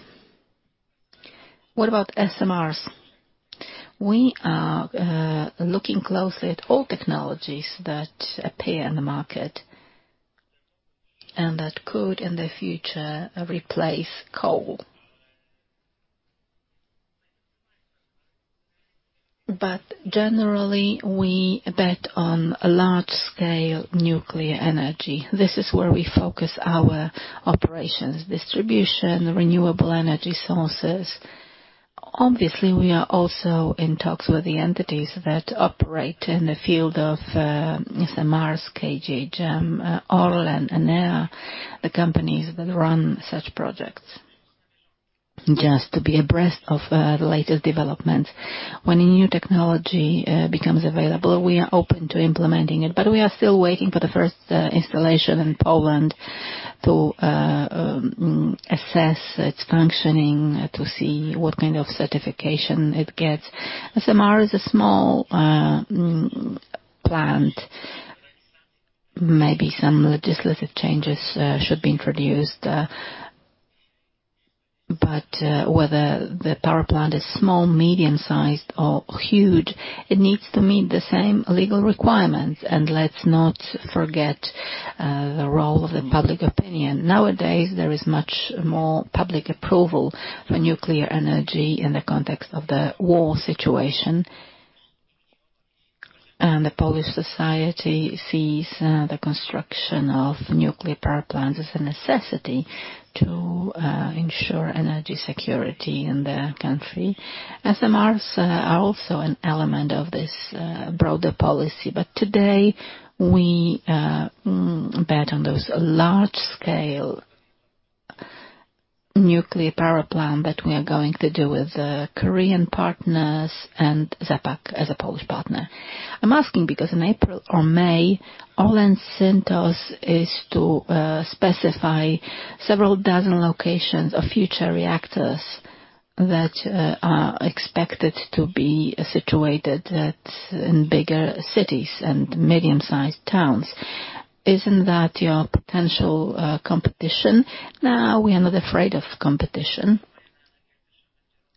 [SPEAKER 3] What about SMRs? We are looking closely at all technologies that appear in the market and that could, in the future, replace coal. Generally, we bet on a large-scale nuclear energy. This is where we focus our operations, distribution, renewable energy sources. Obviously, we are also in talks with the entities that operate in the field of SMRs, KGHM, ORLEN, Enea, the companies that run such projects. Just to be abreast of the latest developments. When a new technology becomes available, we are open to implementing it, but we are still waiting for the first installation in Poland to assess its functioning, to see what kind of certification it gets. SMR is a small plant. Maybe some legislative changes should be introduced. Whether the power plant is small, medium-sized or huge, it needs to meet the same legal requirements. Let's not forget the role of the public opinion. Nowadays, there is much more public approval for nuclear energy in the context of the war situation. The Polish society sees the construction of nuclear power plants as a necessity to ensure energy security in the country. SMRs are also an element of this, broader policy. Today we bet on those large-scale nuclear power plant that we are going to do with the Korean partners and ZE PAK as a Polish partner.
[SPEAKER 8] I'm asking because in April or May, Orlen Synthos is to specify several dozen locations of future reactors that are expected to be situated at, in bigger cities and medium-sized towns. Isn't that your potential, competition?
[SPEAKER 2] No, we are not afraid of competition.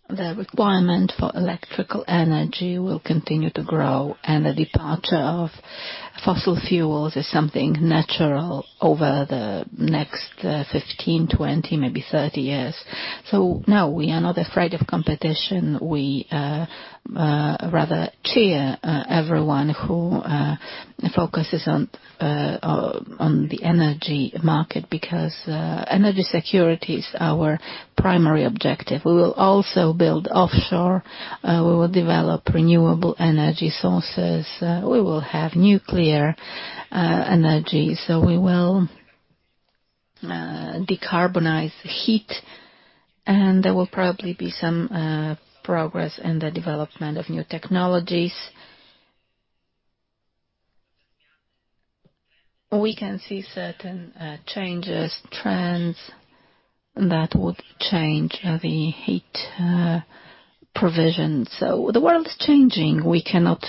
[SPEAKER 2] The requirement for electrical energy will continue to grow, and the departure of fossil fuels is something natural over the next 15, 20, maybe 30 years. No, we are not afraid of competition. We rather cheer everyone who focuses on the energy market, because energy security is our primary objective. We will also build offshore, we will develop renewable energy sources, we will have nuclear energy, so we will decarbonize heat, and there will probably be some progress in the development of new technologies. We can see certain changes, trends that would change the heat provision. The world is changing. We cannot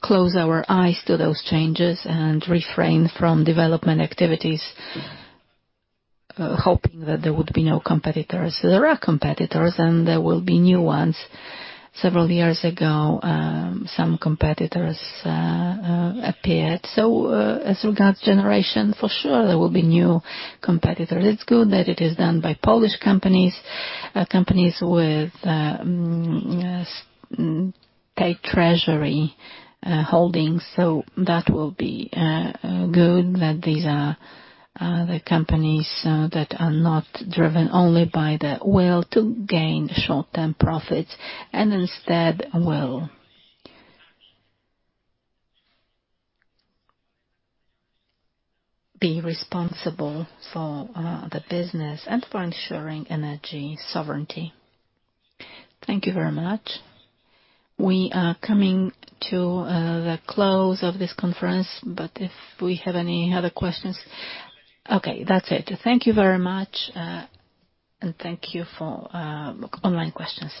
[SPEAKER 2] close our eyes to those changes and refrain from development activities, hoping that there would be no competitors. There are competitors, and there will be new ones. Several years ago, some competitors appeared. As regards generation, for sure, there will be new competitors. It's good that it is done by Polish companies with state treasury holdings. That will be good that these are the companies that are not driven only by the will to gain short-term profits, and instead will be responsible for the business and for ensuring energy sovereignty.
[SPEAKER 1] Thank you very much. We are coming to the close of this conference, but if we have any other questions... Okay, that's it. Thank you very much, and thank you for online questions.